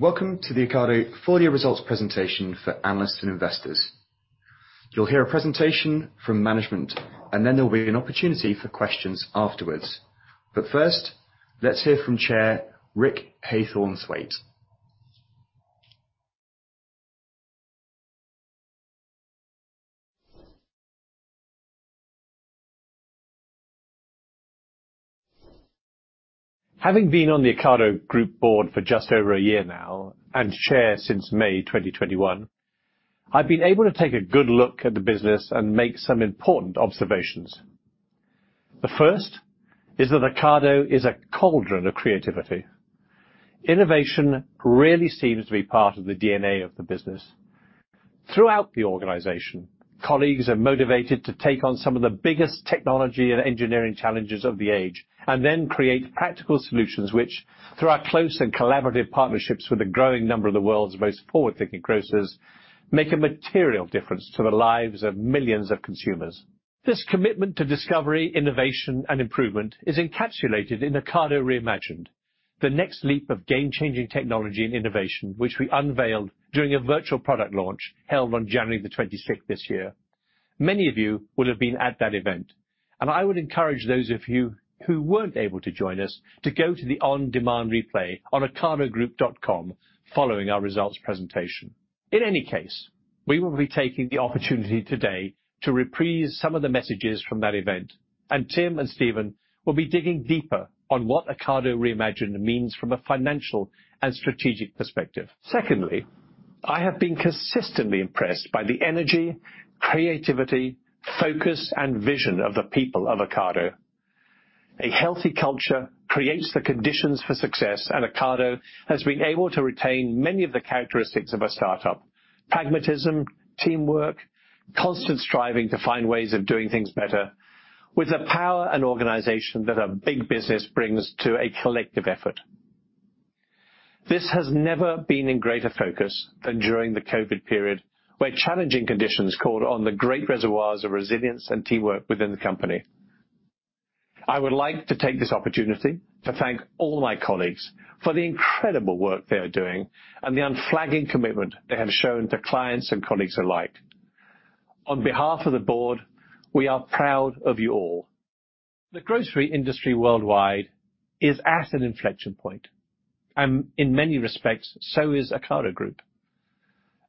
Welcome to the Ocado full year results presentation for Analysts and Investors. You'll hear a presentation from management, and then there'll be an opportunity for questions afterwards. First, let's hear from Chairman, Rick Haythornthwaite. Having been on the Ocado Group board for just over a year now, and chair since May 2021, I've been able to take a good look at the business and make some important observations. The first is that Ocado is a cauldron of creativity. Innovation really seems to be part of the DNA of the business. Throughout the organization, colleagues are motivated to take on some of the biggest technology and engineering challenges of the age, and then create practical solutions which, through our close and collaborative partnerships with a growing number of the world's most forward-thinking grocers, make a material difference to the lives of millions of consumers. This commitment to discovery, innovation, and improvement is encapsulated in Ocado Re:Imagined, the next leap of game-changing technology and innovation, which we unveiled during a virtual product launch held on January 26 this year. Many of you will have been at that event, and I would encourage those of you who weren't able to join us to go to the on-demand replay on ocadogroup.com following our results presentation. In any case, we will be taking the opportunity today to reprise some of the messages from that event, and Tim and Stephen will be digging deeper on what Ocado Re:Imagined means from a financial and strategic perspective. Secondly, I have been consistently impressed by the energy, creativity, focus, and vision of the people of Ocado. A healthy culture creates the conditions for success, and Ocado has been able to retain many of the characteristics of a start-up, pragmatism, teamwork, constant striving to find ways of doing things better, with the power and organization that a big business brings to a collective effort. This has never been in greater focus than during the COVID period, where challenging conditions called on the great reservoirs of resilience and teamwork within the company. I would like to take this opportunity to thank all my colleagues for the incredible work they are doing and the unflagging commitment they have shown to clients and colleagues alike. On behalf of the board, we are proud of you all. The grocery industry worldwide is at an inflection point, and in many respects, so is Ocado Group.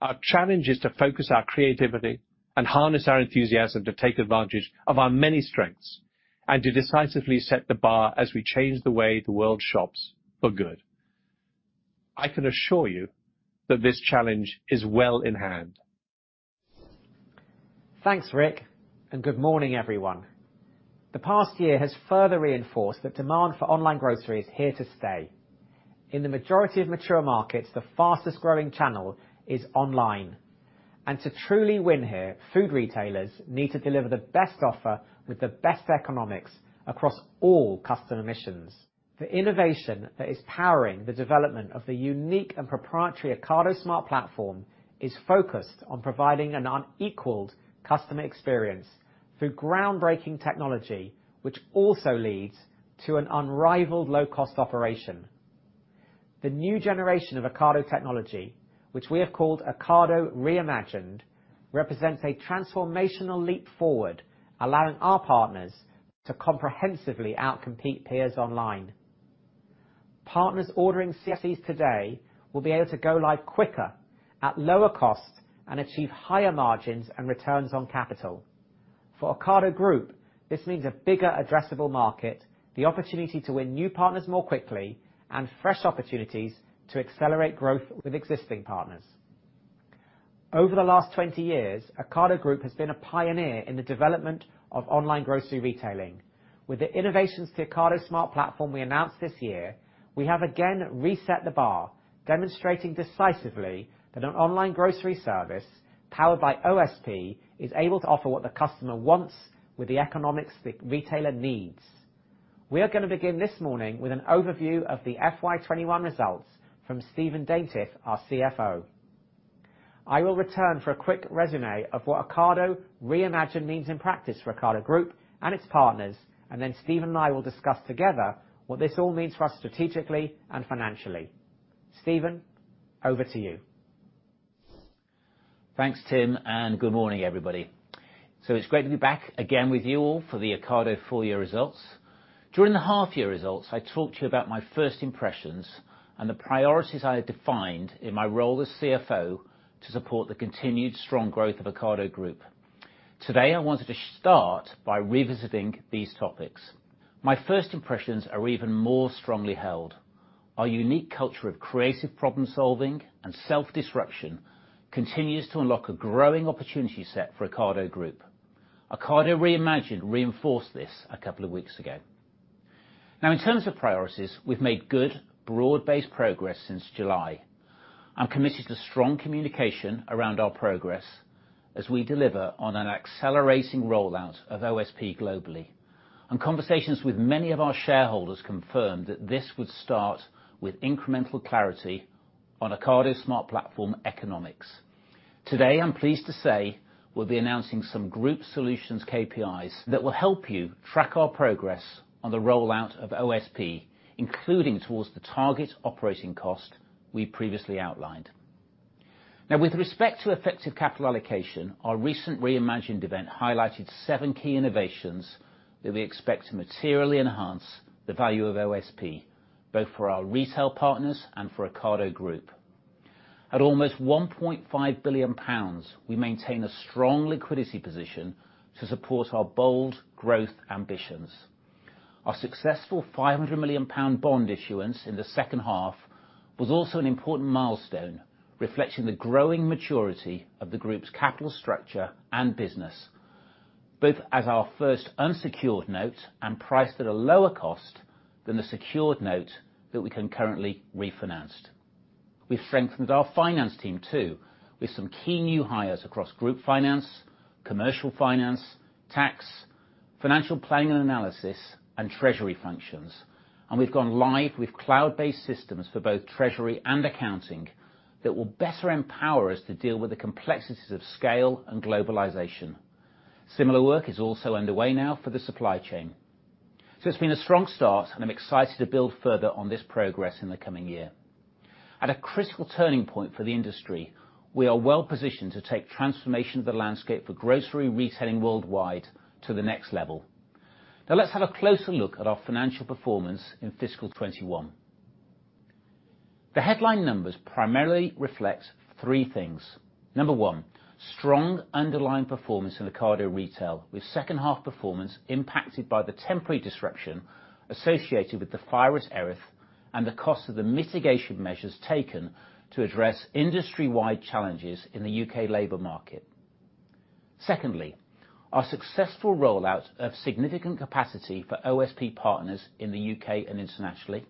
Our challenge is to focus our creativity and harness our enthusiasm to take advantage of our many strengths and to decisively set the bar as we change the way the world shops for good. I can assure you that this challenge is well in hand. Thanks, Rick, and good morning, everyone. The past year has further reinforced that demand for online grocery is here to stay. In the majority of mature markets, the fastest growing channel is online. To truly win here, food retailers need to deliver the best offer with the best economics across all customer missions. The innovation that is powering the development of the unique and proprietary Ocado Smart Platform is focused on providing an unequaled customer experience through groundbreaking technology, which also leads to an unrivaled low-cost operation. The new generation of Ocado technology, which we have called Ocado Re:Imagined, represents a transformational leap forward, allowing our partners to comprehensively out-compete peers online. Partners ordering CSEs today will be able to go live quicker, at lower cost, and achieve higher margins and returns on capital. For Ocado Group, this means a bigger addressable market, the opportunity to win new partners more quickly, and fresh opportunities to accelerate growth with existing partners. Over the last 20 years, Ocado Group has been a pioneer in the development of online grocery retailing. With the innovations to Ocado Smart Platform we announced this year, we have again reset the bar, demonstrating decisively that an online grocery service powered by OSP is able to offer what the customer wants with the economics the retailer needs. We are gonna begin this morning with an overview of the FY 2021 results from Stephen Daintith, our CFO. I will return for a quick resume of what Ocado Re:Imagined means in practice for Ocado Group and its partners, and then Stephen and I will discuss together what this all means for us strategically and financially. Stephen, over to you. Thanks, Tim, and good morning, everybody. It's great to be back again with you all for the Ocado full year results. During the half year results, I talked to you about my first impressions and the priorities I had defined in my role as CFO to support the continued strong growth of Ocado Group. Today, I wanted to start by revisiting these topics. My first impressions are even more strongly held. Our unique culture of creative problem-solving and self-disruption continues to unlock a growing opportunity set for Ocado Group. Ocado Re:Imagined reinforced this a couple of weeks ago. Now in terms of priorities, we've made good, broad-based progress since July. I'm committed to strong communication around our progress as we deliver on an accelerating rollout of OSP globally, and conversations with many of our shareholders confirmed that this would start with incremental clarity on Ocado Smart Platform economics. Today, I'm pleased to say we'll be announcing some group solutions KPIs that will help you track our progress on the rollout of OSP, including towards the target operating cost we previously outlined. Now with respect to effective capital allocation, our recent Re:Imagined event highlighted seven key innovations that we expect to materially enhance the value of OSP, both for our retail partners and for Ocado Group. At almost 1.5 billion pounds, we maintain a strong liquidity position to support our bold growth ambitions. Our successful 500 million pound bond issuance in the second half was also an important milestone, reflecting the growing maturity of the group's capital structure and business, both as our first unsecured note and priced at a lower cost than the secured note that we concurrently refinanced. We've strengthened our finance team too, with some key new hires across group finance, commercial finance, tax, financial planning and analysis, and treasury functions. We've gone live with cloud-based systems for both treasury and accounting that will better empower us to deal with the complexities of scale and globalization. Similar work is also underway now for the supply chain. It's been a strong start, and I'm excited to build further on this progress in the coming year. At a critical turning point for the industry, we are well-positioned to take transformation of the landscape for grocery retailing worldwide to the next level. Now let's have a closer look at our financial performance in fiscal 2021. The headline numbers primarily reflect three things. Number one, strong underlying performance in Ocado Retail, with second half performance impacted by the temporary disruption associated with the fire at Erith and the cost of the mitigation measures taken to address industry-wide challenges in the U.K. labor market. Secondly, our successful rollout of significant capacity for OSP partners in the U.K. and internationally.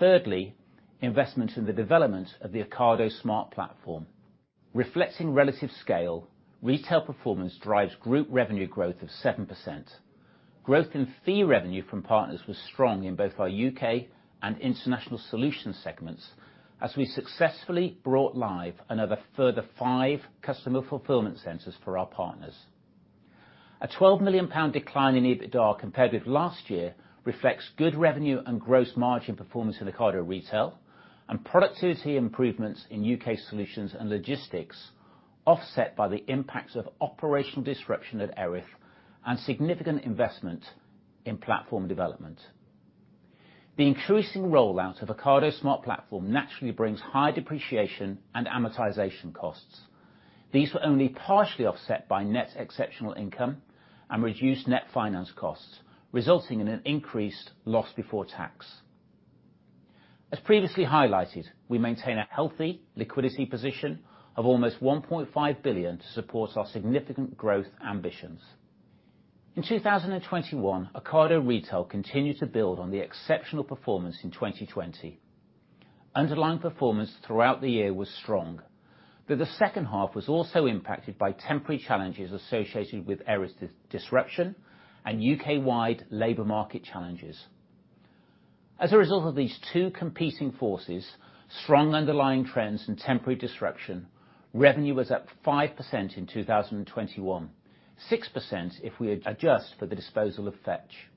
Thirdly, investment in the development of the Ocado Smart Platform. Reflecting relative scale, retail performance drives group revenue growth of 7%. Growth in fee revenue from partners was strong in both our U.K. and International Solutions segments as we successfully brought live another further five Customer Fulfillment Centers for our partners. A 12 million pound decline in EBITDA compared with last year reflects good revenue and gross margin performance in Ocado Retail and productivity improvements in U.K. Solutions & Logistics, offset by the impacts of operational disruption at Erith and significant investment in platform development. The increasing rollout of Ocado Smart Platform naturally brings high depreciation and amortization costs. These were only partially offset by net exceptional income and reduced net finance costs, resulting in an increased loss before tax. As previously highlighted, we maintain a healthy liquidity position of almost 1.5 billion to support our significant growth ambitions. In 2021, Ocado Retail continued to build on the exceptional performance in 2020. Underlying performance throughout the year was strong, but the second half was also impacted by temporary challenges associated with Erith disruption and U.K.-wide labor market challenges. As a result of these two competing forces, strong underlying trends and temporary disruption, revenue was up 5% in 2021, 6% if we adjust for the disposal of Fetch.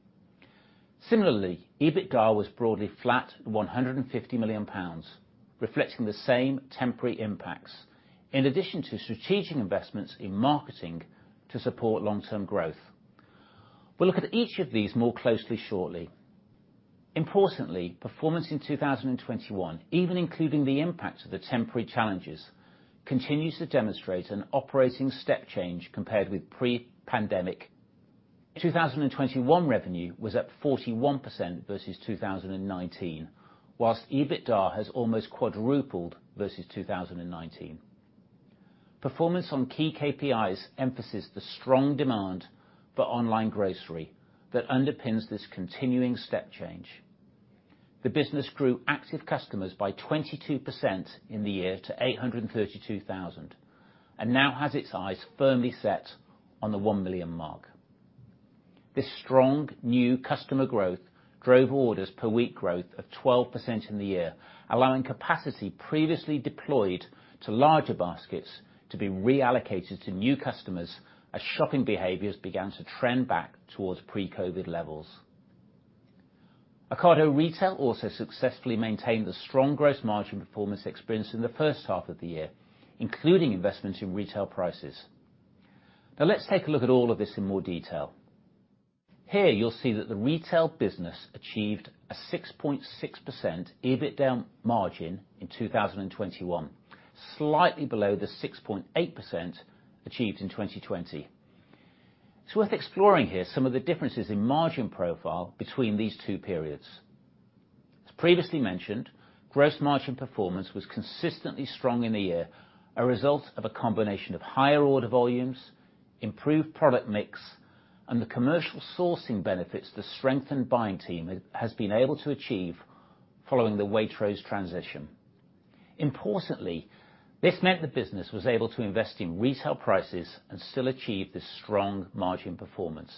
Similarly, EBITDA was broadly flat at 150 million pounds, reflecting the same temporary impacts, in addition to strategic investments in marketing to support long-term growth. We'll look at each of these more closely shortly. Importantly, performance in 2021, even including the impact of the temporary challenges, continues to demonstrate an operating step change compared with pre-pandemic. 2021 revenue was up 41% versus 2019, while EBITDA has almost quadrupled versus 2019. Performance on key KPIs emphasize the strong demand for online grocery that underpins this continuing step change. The business grew active customers by 22% in the year to 832,000, and now has its eyes firmly set on the 1 million mark. This strong new customer growth drove orders per week growth of 12% in the year, allowing capacity previously deployed to larger baskets to be reallocated to new customers as shopping behaviors began to trend back towards pre-COVID levels. Ocado Retail also successfully maintained the strong gross margin performance experienced in the first half of the year, including investments in retail prices. Now let's take a look at all of this in more detail. Here, you'll see that the retail business achieved a 6.6% EBITDA margin in 2021, slightly below the 6.8% achieved in 2020. It's worth exploring here some of the differences in margin profile between these two periods. As previously mentioned, gross margin performance was consistently strong in the year, a result of a combination of higher order volumes, improved product mix, and the commercial sourcing benefits the strengthened buying team has been able to achieve following the Waitrose transition. Importantly, this meant the business was able to invest in retail prices and still achieve this strong margin performance.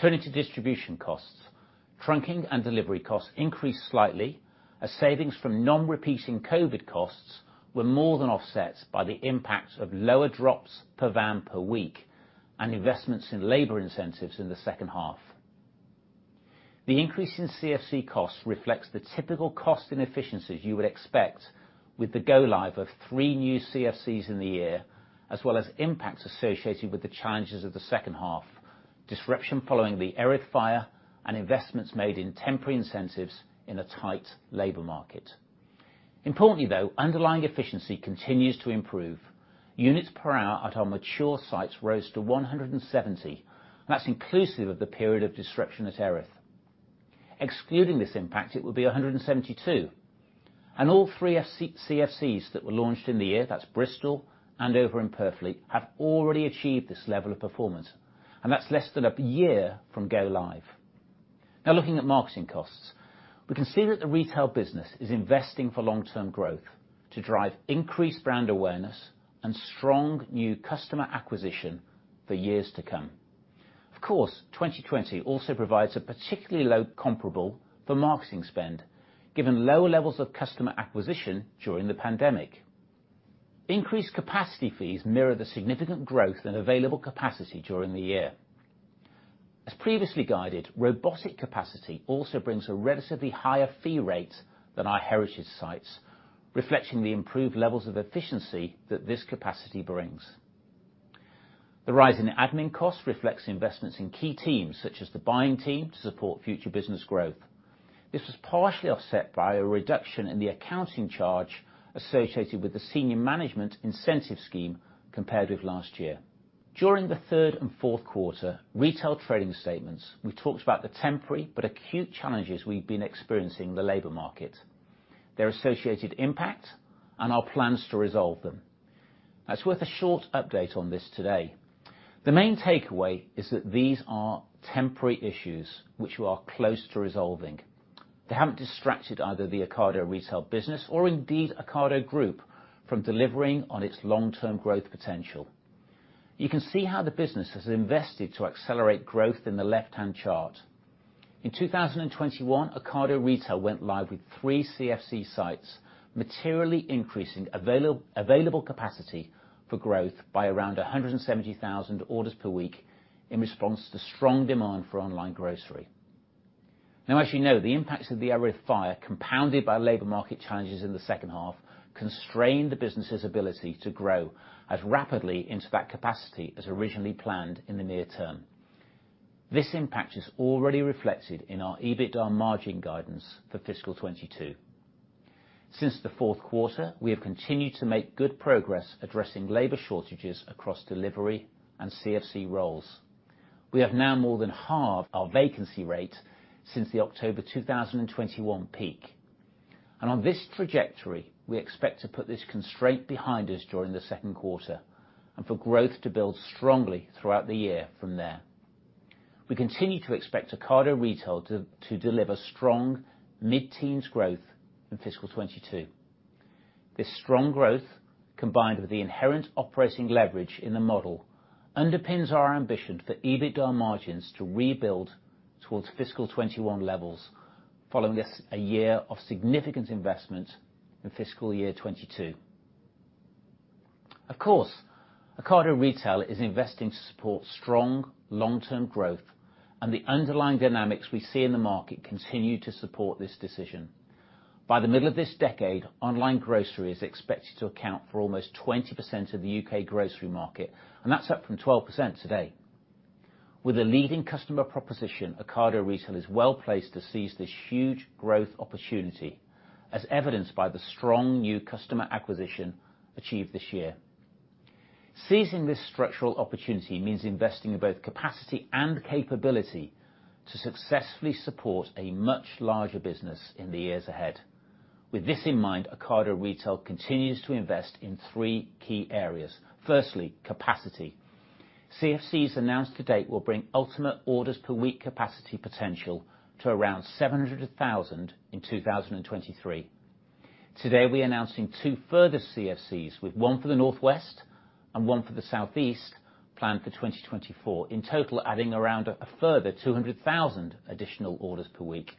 Turning to distribution costs, trunking and delivery costs increased slightly as savings from non-recurring COVID costs were more than offset by the impact of lower drops per van per week and investments in labor incentives in the second half. The increase in CFC costs reflects the typical cost inefficiencies you would expect with the go-live of three new CFCs in the year, as well as impacts associated with the challenges of the second half, disruption following the Erith fire, and investments made in temporary incentives in a tight labor market. Importantly, though, underlying efficiency continues to improve. Units per hour at our mature sites rose to 170. That's inclusive of the period of disruption at Erith. Excluding this impact, it would be 172. All three CFCs that were launched in the year, that's Bristol and Andover, Purfleet, have already achieved this level of performance, and that's less than a year from go live. Now, looking at marketing costs. We can see that the retail business is investing for long-term growth to drive increased brand awareness and strong new customer acquisition for years to come. Of course, 2020 also provides a particularly low comparable for marketing spend, given lower levels of customer acquisition during the pandemic. Increased capacity fees mirror the significant growth in available capacity during the year. As previously guided, robotic capacity also brings a relatively higher fee rate than our heritage sites, reflecting the improved levels of efficiency that this capacity brings. The rise in admin costs reflects investments in key teams, such as the buying team to support future business growth. This was partially offset by a reduction in the accounting charge associated with the senior management incentive scheme compared with last year. During the third and fourth quarter retail trading statements, we talked about the temporary but acute challenges we've been experiencing in the labor market, their associated impact, and our plans to resolve them. It's worth a short update on this today. The main takeaway is that these are temporary issues which we are close to resolving. They haven't distracted either the Ocado Retail business or indeed Ocado Group from delivering on its long-term growth potential. You can see how the business has invested to accelerate growth in the left-hand chart. In 2021, Ocado Retail went live with three CFC sites, materially increasing available capacity for growth by around 170,000 orders per week in response to strong demand for online grocery. Now, as you know, the impacts of the Erith fire, compounded by labor market challenges in the second half, constrained the business's ability to grow as rapidly into that capacity as originally planned in the near term. This impact is already reflected in our EBITDA margin guidance for fiscal 2022. Since the fourth quarter, we have continued to make good progress addressing labor shortages across delivery and CFC roles. We have now more than halved our vacancy rate since the October 2021 peak. On this trajectory, we expect to put this constraint behind us during the second quarter and for growth to build strongly throughout the year from there. We continue to expect Ocado Retail to deliver strong mid-teens growth in fiscal 2022. This strong growth, combined with the inherent operating leverage in the model, underpins our ambition for EBITDA margins to rebuild towards FY 2021 levels following this, a year of significant investment in FY 2022. Of course, Ocado Retail is investing to support strong long-term growth, and the underlying dynamics we see in the market continue to support this decision. By the middle of this decade, online grocery is expected to account for almost 20% of the U.K. grocery market, and that's up from 12% today. With a leading customer proposition, Ocado Retail is well placed to seize this huge growth opportunity, as evidenced by the strong new customer acquisition achieved this year. Seizing this structural opportunity means investing in both capacity and capability to successfully support a much larger business in the years ahead. With this in mind, Ocado Retail continues to invest in three key areas. Firstly, capacity. CFCs announced to date will bring ultimate orders per week capacity potential to around 700,000 in 2023. Today, we're announcing two further CFCs, with one for the Northwest and one for the Southeast planned for 2024, in total adding around a further 200,000 additional orders per week.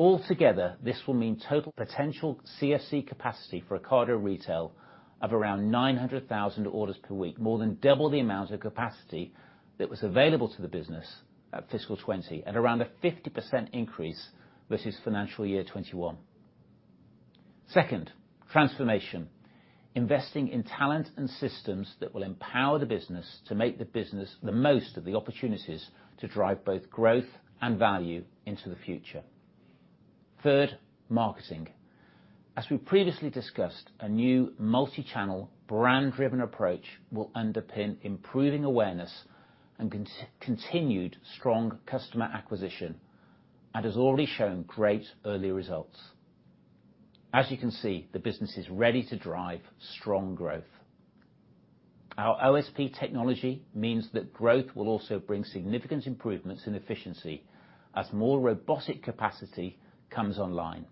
Altogether, this will mean total potential CFC capacity for Ocado Retail of around 900,000 orders per week, more than double the amount of capacity that was available to the business at fiscal 2020 at around a 50% increase versus financial year 2021. Second, transformation. Investing in talent and systems that will empower the business to make the most of the opportunities to drive both growth and value into the future. Third, marketing. As we previously discussed, a new multi-channel brand-driven approach will underpin improving awareness and continued strong customer acquisition and has already shown great early results. As you can see, the business is ready to drive strong growth. Our OSP technology means that growth will also bring significant improvements in efficiency as more robotic capacity comes online.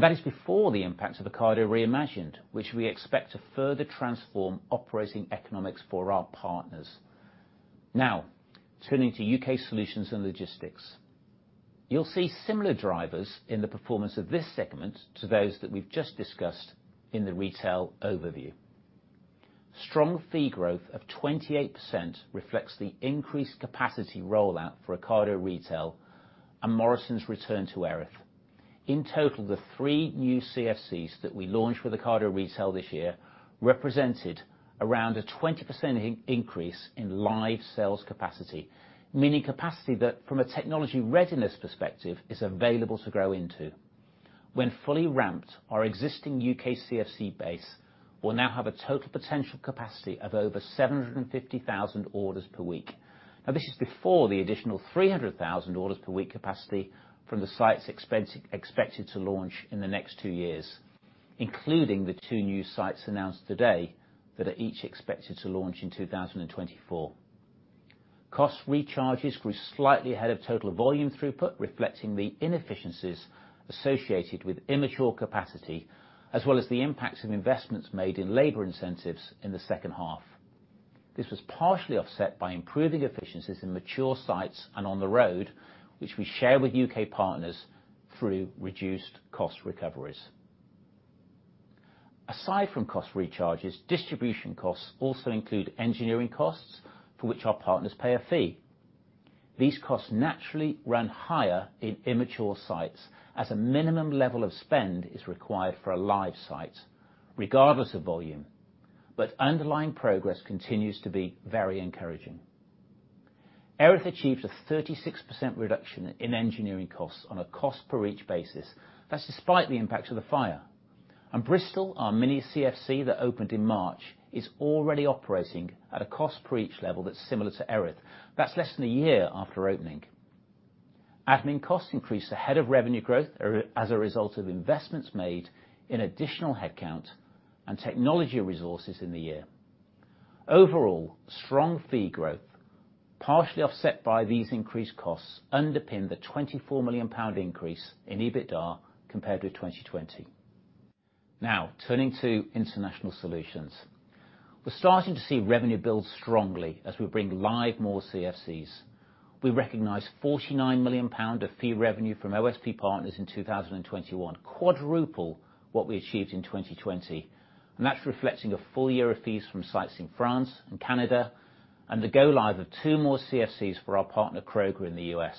That is before the impact of Ocado Re:Imagined, which we expect to further transform operating economics for our partners. Now, turning to U.K. Solutions & Logistics. You'll see similar drivers in the performance of this segment to those that we've just discussed in the retail overview. Strong fee growth of 28% reflects the increased capacity rollout for Ocado Retail and Morrisons return to Erith. In total, the three new CFCs that we launched with Ocado Retail this year represented around a 20% increase in live sales capacity, meaning capacity that from a technology readiness perspective, is available to grow into. When fully ramped, our existing U.K. CFC base will now have a total potential capacity of over 750,000 orders per week. Now, this is before the additional 300,000 orders per week capacity from the sites expected to launch in the next two years, including the two new sites announced today that are each expected to launch in 2024. Cost recharges grew slightly ahead of total volume throughput, reflecting the inefficiencies associated with immature capacity, as well as the impacts of investments made in labor incentives in the second half. This was partially offset by improving efficiencies in mature sites and on the road, which we share with U.K. partners through reduced cost recoveries. Aside from cost recharges, distribution costs also include engineering costs, for which our partners pay a fee. These costs naturally run higher in immature sites as a minimum level of spend is required for a live site, regardless of volume. Underlying progress continues to be very encouraging. Erith achieved a 36% reduction in engineering costs on a cost per each basis. That's despite the impact of the fire. Bristol, our mini CFC that opened in March, is already operating at a cost per each level that's similar to Erith. That's less than a year after opening. Admin costs increased ahead of revenue growth or as a result of investments made in additional headcount and technology resources in the year. Overall, strong fee growth, partially offset by these increased costs, underpinned the 24 million pound increase in EBITDA compared with 2020. Now, turning to International Solutions. We're starting to see revenue build strongly as we bring live more CFCs. We recognize GBP 49 million of fee revenue from OSP partners in 2021, quadruple what we achieved in 2020, and that's reflecting a full year of fees from sites in France and Canada, and the go live of two more CFCs for our partner, Kroger, in the U.S.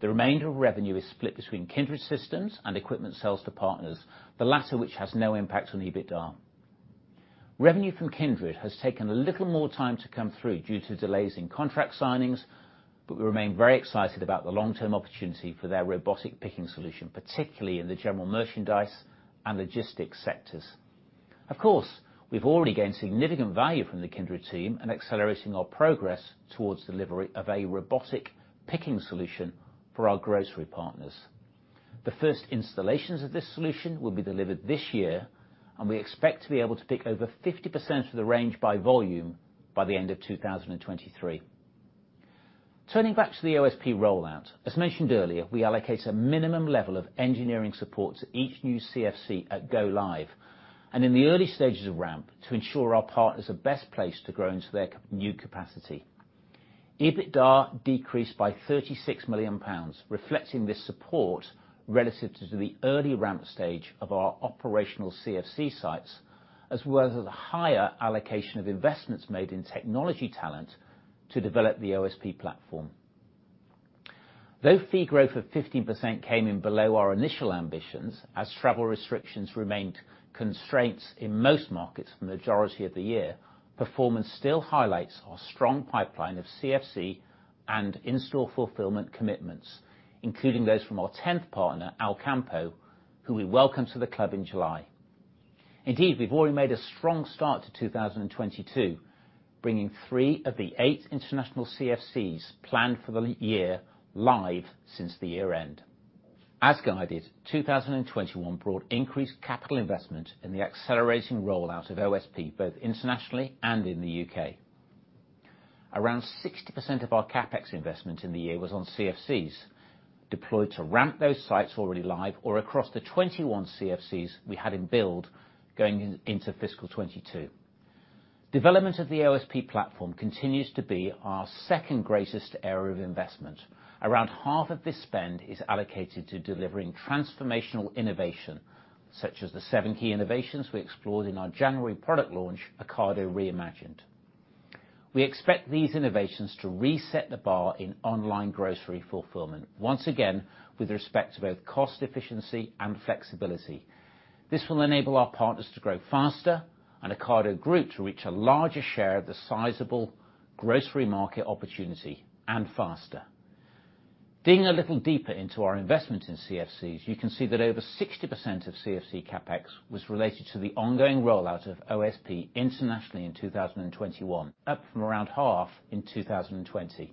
The remainder of revenue is split between Kindred Systems and equipment sales to partners, the latter which has no impact on EBITDA. Revenue from Kindred has taken a little more time to come through due to delays in contract signings, but we remain very excited about the long-term opportunity for their robotic picking solution, particularly in the general merchandise and logistics sectors. Of course, we've already gained significant value from the Kindred team in accelerating our progress towards delivery of a robotic picking solution for our grocery partners. The first installations of this solution will be delivered this year, and we expect to be able to pick over 50% of the range by volume by the end of 2023. Turning back to the OSP rollout. As mentioned earlier, we allocate a minimum level of engineering support to each new CFC at go live, and in the early stages of ramp to ensure our partners are best placed to grow into their new capacity. EBITDA decreased by 36 million pounds, reflecting this support relative to the early ramp stage of our operational CFC sites, as well as a higher allocation of investments made in technology talent to develop the OSP platform. Though fee growth of 15% came in below our initial ambitions as travel restrictions remained constraints in most markets for the majority of the year, performance still highlights our strong pipeline of CFC and in-store fulfillment commitments, including those from our tenth partner, Alcampo, who we welcomed to the club in July. Indeed, we've already made a strong start to 2022, bringing three of the eight international CFCs planned for the year live since the year-end. As guided, 2021 brought increased capital investment in the accelerating rollout of OSP, both internationally and in the U.K. Around 60% of our CapEx investment in the year was on CFCs, deployed to ramp those sites already live or across the 21 CFCs we had in build going into fiscal 2022. Development of the OSP platform continues to be our second greatest area of investment. Around half of this spend is allocated to delivering transformational innovation, such as the seven key innovations we explored in our January product launch, Ocado Re:Imagined. We expect these innovations to reset the bar in online grocery fulfillment, once again with respect to both cost efficiency and flexibility. This will enable our partners to grow faster and Ocado Group to reach a larger share of the sizable grocery market opportunity and faster. Digging a little deeper into our investment in CFCs, you can see that over 60% of CFC CapEx was related to the ongoing rollout of OSP internationally in 2021, up from around 50% in 2020.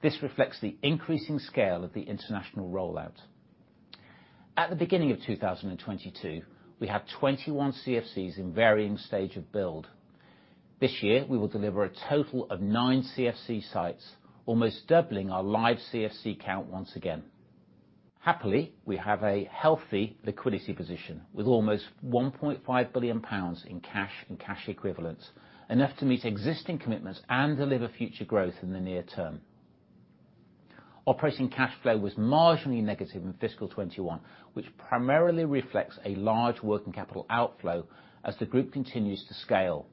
This reflects the increasing scale of the international rollout. At the beginning of 2022, we had 21 CFCs in varying stage of build. This year, we will deliver a total of nine CFC sites, almost doubling our live CFC count once again. Happily, we have a healthy liquidity position, with almost £1.5 billion in cash and cash equivalents, enough to meet existing commitments and deliver future growth in the near term. Operating cash flow was marginally negative in FY 2021, which primarily reflects a large working capital outflow as the group continues to scale.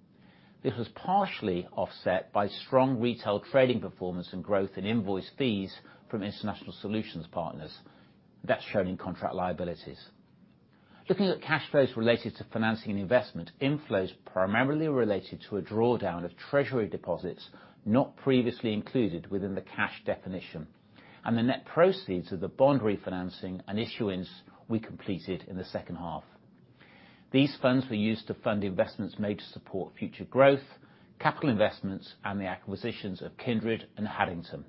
This was partially offset by strong retail trading performance and growth in invoice fees from International Solutions partners. That's shown in contract liabilities. Looking at cash flows related to financing investment, inflows primarily related to a drawdown of treasury deposits not previously included within the cash definition, and the net proceeds of the bond refinancing and issuance we completed in the second half. These funds were used to fund the investments made to support future growth, capital investments, and the acquisitions of Kindred and Haddington.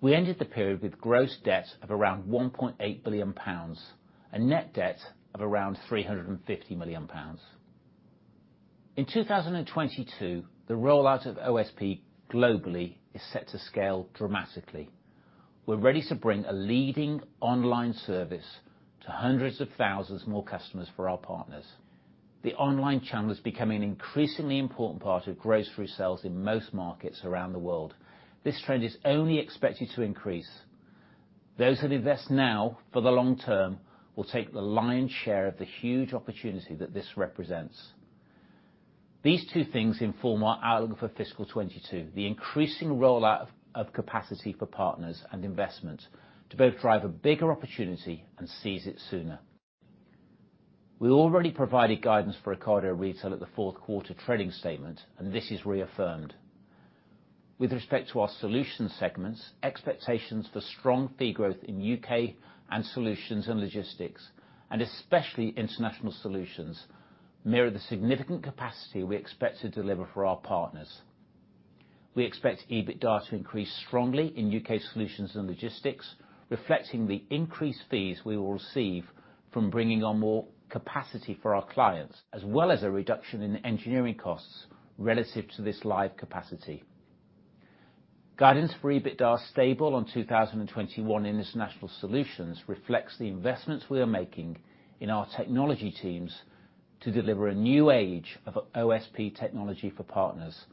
We ended the period with gross debt of around 1.8 billion pounds, a net debt of around 350 million pounds. In 2022, the rollout of OSP globally is set to scale dramatically. We're ready to bring a leading online service to hundreds of thousands more customers for our partners. The online channel is becoming an increasingly important part of grocery sales in most markets around the world. This trend is only expected to increase. Those that invest now for the long term will take the lion's share of the huge opportunity that this represents. These two things inform our outlook for fiscal 2022, the increasing rollout of capacity for partners and investment to both drive a bigger opportunity and seize it sooner. We already provided guidance for Ocado Retail at the fourth quarter trading statement, and this is reaffirmed. With respect to our solution segments, expectations for strong fee growth in U.K., Solutions & Logistics, and especially International Solutions, mirror the significant capacity we expect to deliver for our partners. We expect EBITDA to increase strongly in U.K. Solutions & Logistics, reflecting the increased fees we will receive from bringing on more capacity for our clients, as well as a reduction in engineering costs relative to this live capacity. Guidance for EBITDA stable on 2021 International Solutions reflects the investments we are making in our technology teams to deliver a new age of OSP technology for partners,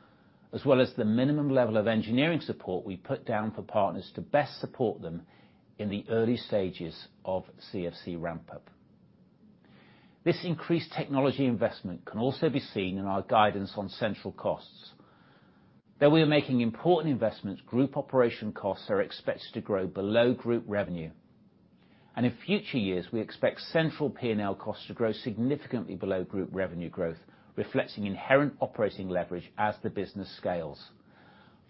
as well as the minimum level of engineering support we put down for partners to best support them in the early stages of CFC ramp-up. This increased technology investment can also be seen in our guidance on central costs. Though we are making important investments, group operation costs are expected to grow below group revenue. In future years, we expect central P&L costs to grow significantly below group revenue growth, reflecting inherent operating leverage as the business scales.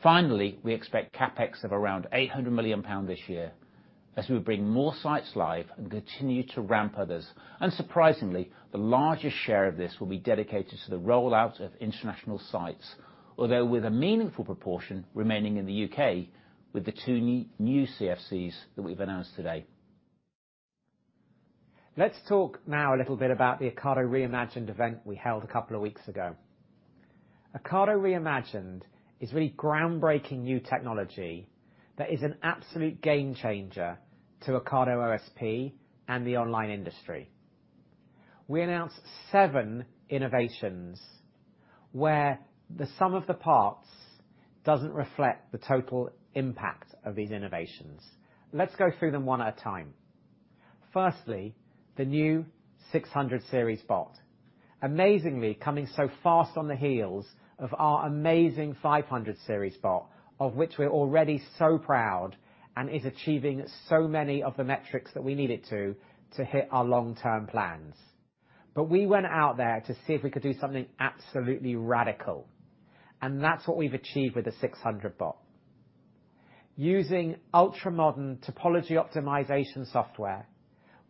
Finally, we expect CapEx of around 800 million pound this year as we bring more sites live and continue to ramp others. Unsurprisingly, the largest share of this will be dedicated to the rollout of international sites, although with a meaningful proportion remaining in the U.K. with the two new CFCs that we've announced today. Let's talk now a little bit about the Ocado Re:Imagined event we held a couple of weeks ago. Ocado Re:Imagined is really groundbreaking new technology that is an absolute game changer to Ocado OSP and the online industry. We announced seven innovations where the sum of the parts doesn't reflect the total impact of these innovations. Let's go through them one at a time. Firstly, the new 600 Series bot. Amazingly, coming so fast on the heels of our amazing 500 Series bot, of which we're already so proud and is achieving so many of the metrics that we need it to hit our long-term plans. We went out there to see if we could do something absolutely radical, and that's what we've achieved with the 600 Series bot. Using ultramodern topology optimization software,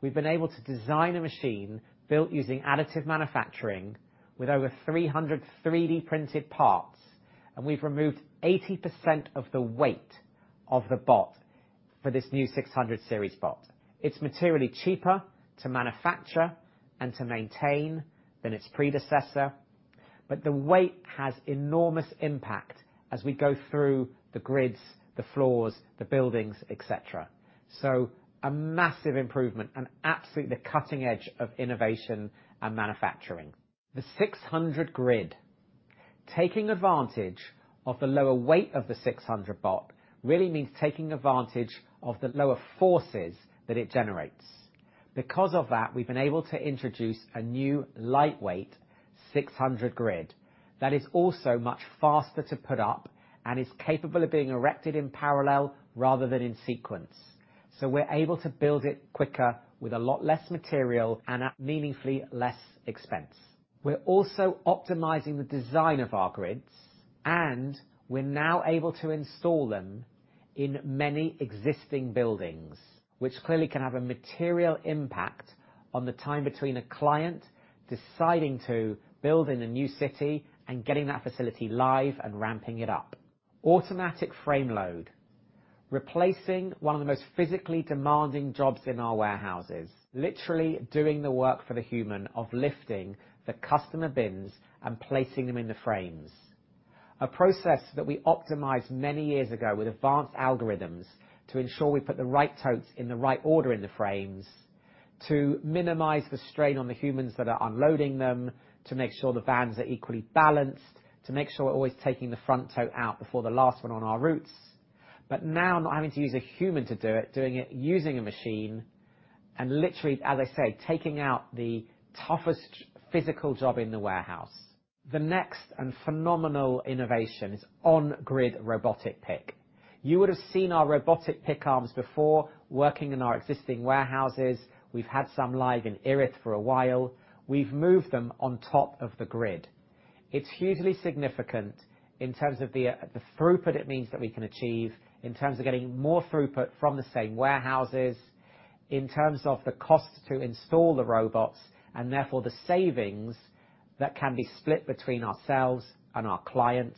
we've been able to design a machine built using additive manufacturing with over 300 3D-printed parts, and we've removed 80% of the weight of the bot for this new 600 Series bot. It's materially cheaper to manufacture and to maintain than its predecessor, but the weight has enormous impact as we go through the grids, the floors, the buildings, et cetera. A massive improvement and absolutely the cutting edge of innovation and manufacturing. The 600 grid. Taking advantage of the lower weight of the 600 Series bot really means taking advantage of the lower forces that it generates. Because of that, we've been able to introduce a new lightweight 600 grid that is also much faster to put up and is capable of being erected in parallel rather than in sequence. We're able to build it quicker with a lot less material and at meaningfully less expense. We're also optimizing the design of our grids, and we're now able to install them in many existing buildings, which clearly can have a material impact on the time between a client deciding to build in a new city and getting that facility live and ramping it up. Automated Frameload Replacing one of the most physically demanding jobs in our warehouses, literally doing the work for the human of lifting the customer bins and placing them in the frames. A process that we optimized many years ago with advanced algorithms to ensure we put the right totes in the right order in the frames, to minimize the strain on the humans that are unloading them, to make sure the vans are equally balanced, to make sure we're always taking the front tote out before the last one on our routes. Now not having to use a human to do it, doing it using a machine and literally, as I say, taking out the toughest physical job in the warehouse. The next and phenomenal innovation is On-Grid Robotic Pick. You would have seen our robotic pick arms before working in our existing warehouses. We've had some live in Erith for a while. We've moved them on top of the grid. It's hugely significant in terms of the throughput it means that we can achieve, in terms of getting more throughput from the same warehouses, in terms of the cost to install the robots, and therefore, the savings that can be split between ourselves and our clients,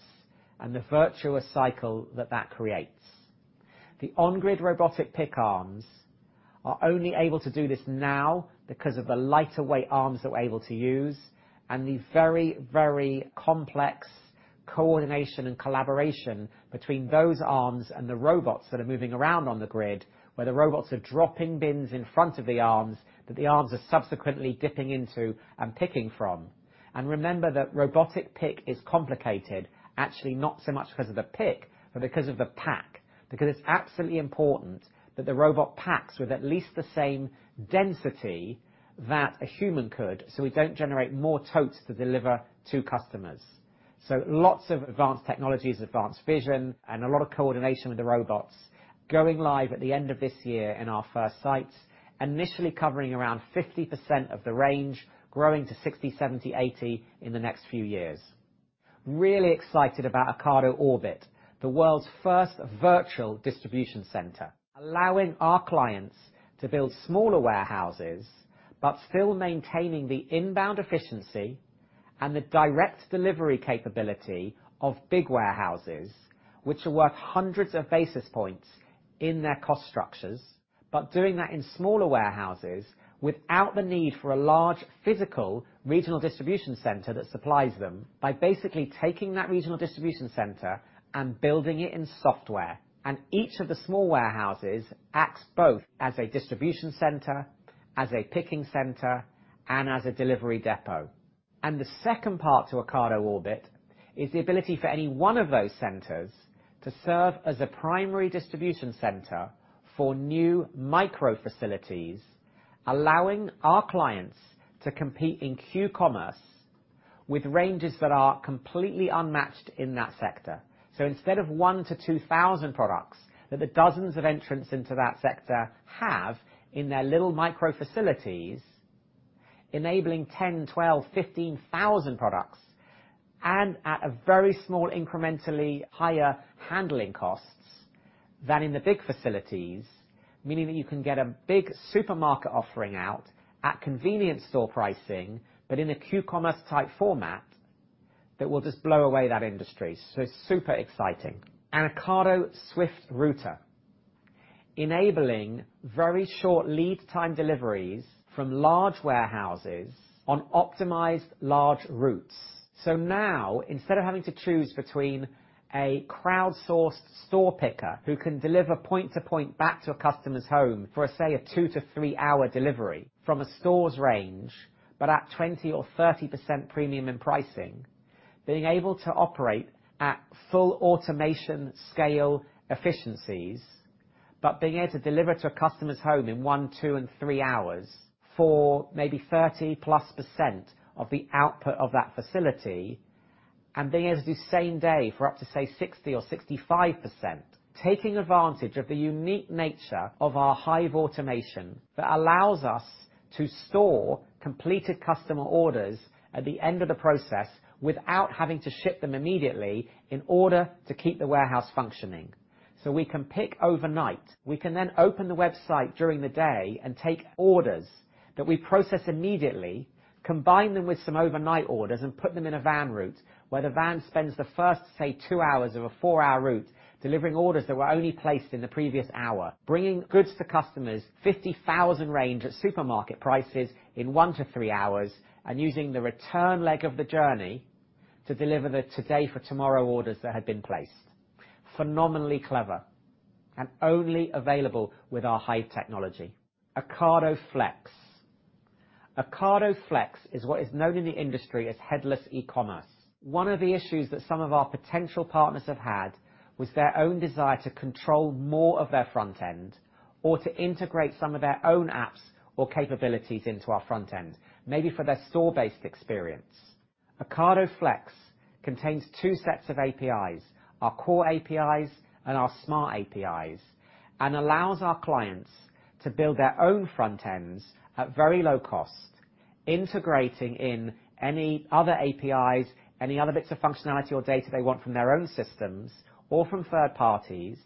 and the virtuous cycle that that creates. The On-Grid Robotic Pick arms are only able to do this now because of the lighter weight arms they're able to use and the very, very complex coordination and collaboration between those arms and the robots that are moving around on the grid, where the robots are dropping bins in front of the arms that the arms are subsequently dipping into and picking from. Remember that robotic pick is complicated, actually, not so much because of the pick, but because of the pack because it's absolutely important that the robot packs with at least the same density that a human could, so we don't generate more totes to deliver to customers. Lots of advanced technologies, advanced vision, and a lot of coordination with the robots going live at the end of this year in our first sites, initially covering around 50% of the range, growing to 60, 70, 80 in the next few years. Really excited about Ocado Orbit, the world's first virtual distribution center, allowing our clients to build smaller warehouses, but still maintaining the inbound efficiency and the direct delivery capability of big warehouses, which will be worth hundreds of basis points in their cost structures, but doing that in smaller warehouses without the need for a large physical regional distribution center that supplies them by basically taking that regional distribution center and building it in software. Each of the small warehouses acts both as a distribution center, as a picking center, and as a delivery depot. The second part to Ocado Orbit is the ability for any one of those centers to serve as a primary distribution center for new microfacilities, allowing our clients to compete in q-commerce with ranges that are completely unmatched in that sector. Instead of 1-2,000 products that the dozens of entrants into that sector have in their little microfacilities, enabling 10,000, 12,000, 15,000 products and at a very small, incrementally higher handling costs than in the big facilities, meaning that you can get a big supermarket offering out at convenience store pricing, but in a q-commerce type format that will just blow away that industry. It's super exciting. Ocado Swift Router, enabling very short lead time deliveries from large warehouses on optimized large routes. Now, instead of having to choose between a crowdsourced store picker who can deliver point-to-point back to a customer's home for, say, a two to three hour delivery from a store's range, but at 20% or 30% premium in pricing, being able to operate at full automation scale efficiencies, but being able to deliver to a customer's home in one, two, and three hours for maybe 30+% of the output of that facility, and being able to do same day for up to, say, 60% or 65%, taking advantage of the unique nature of our hive automation that allows us to store completed customer orders at the end of the process without having to ship them immediately in order to keep the warehouse functioning. We can pick overnight. We can then open the website during the day and take orders that we process immediately, combine them with some overnight orders, and put them in a van route where the van spends the first, say, two hours of a four-hour route delivering orders that were only placed in the previous hour, bringing goods to customers 50 km range at supermarket prices in one to three hours, and using the return leg of the journey to deliver the today for tomorrow orders that had been placed. Phenomenally clever and only available with our hive technology. Ocado Flex. Ocado Flex is what is known in the industry as headless e-commerce. One of the issues that some of our potential partners have had was their own desire to control more of their front end or to integrate some of their own apps or capabilities into our front end, maybe for their store-based experience. Ocado Flex contains two sets of APIs, our core APIs and our smart APIs, and allows our clients to build their own front ends at very low cost. Integrating in any other APIs, any other bits of functionality or data they want from their own systems or from third parties,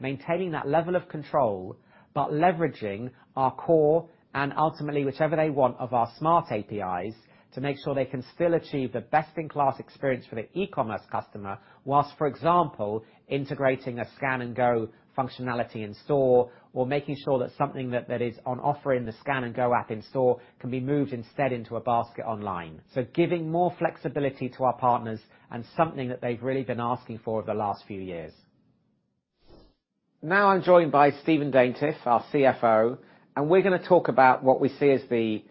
maintaining that level of control, but leveraging our core and ultimately whichever they want of our smart APIs to make sure they can still achieve the best-in-class experience for the e-commerce customer while, for example, integrating a scan and go functionality in store, or making sure that something that is on offer in the scan and go app in store can be moved instead into a basket online. Giving more flexibility to our partners and something that they've really been asking for the last few years. Now I'm joined by Stephen Daintith, our CFO, and we're gonna talk about what we see as the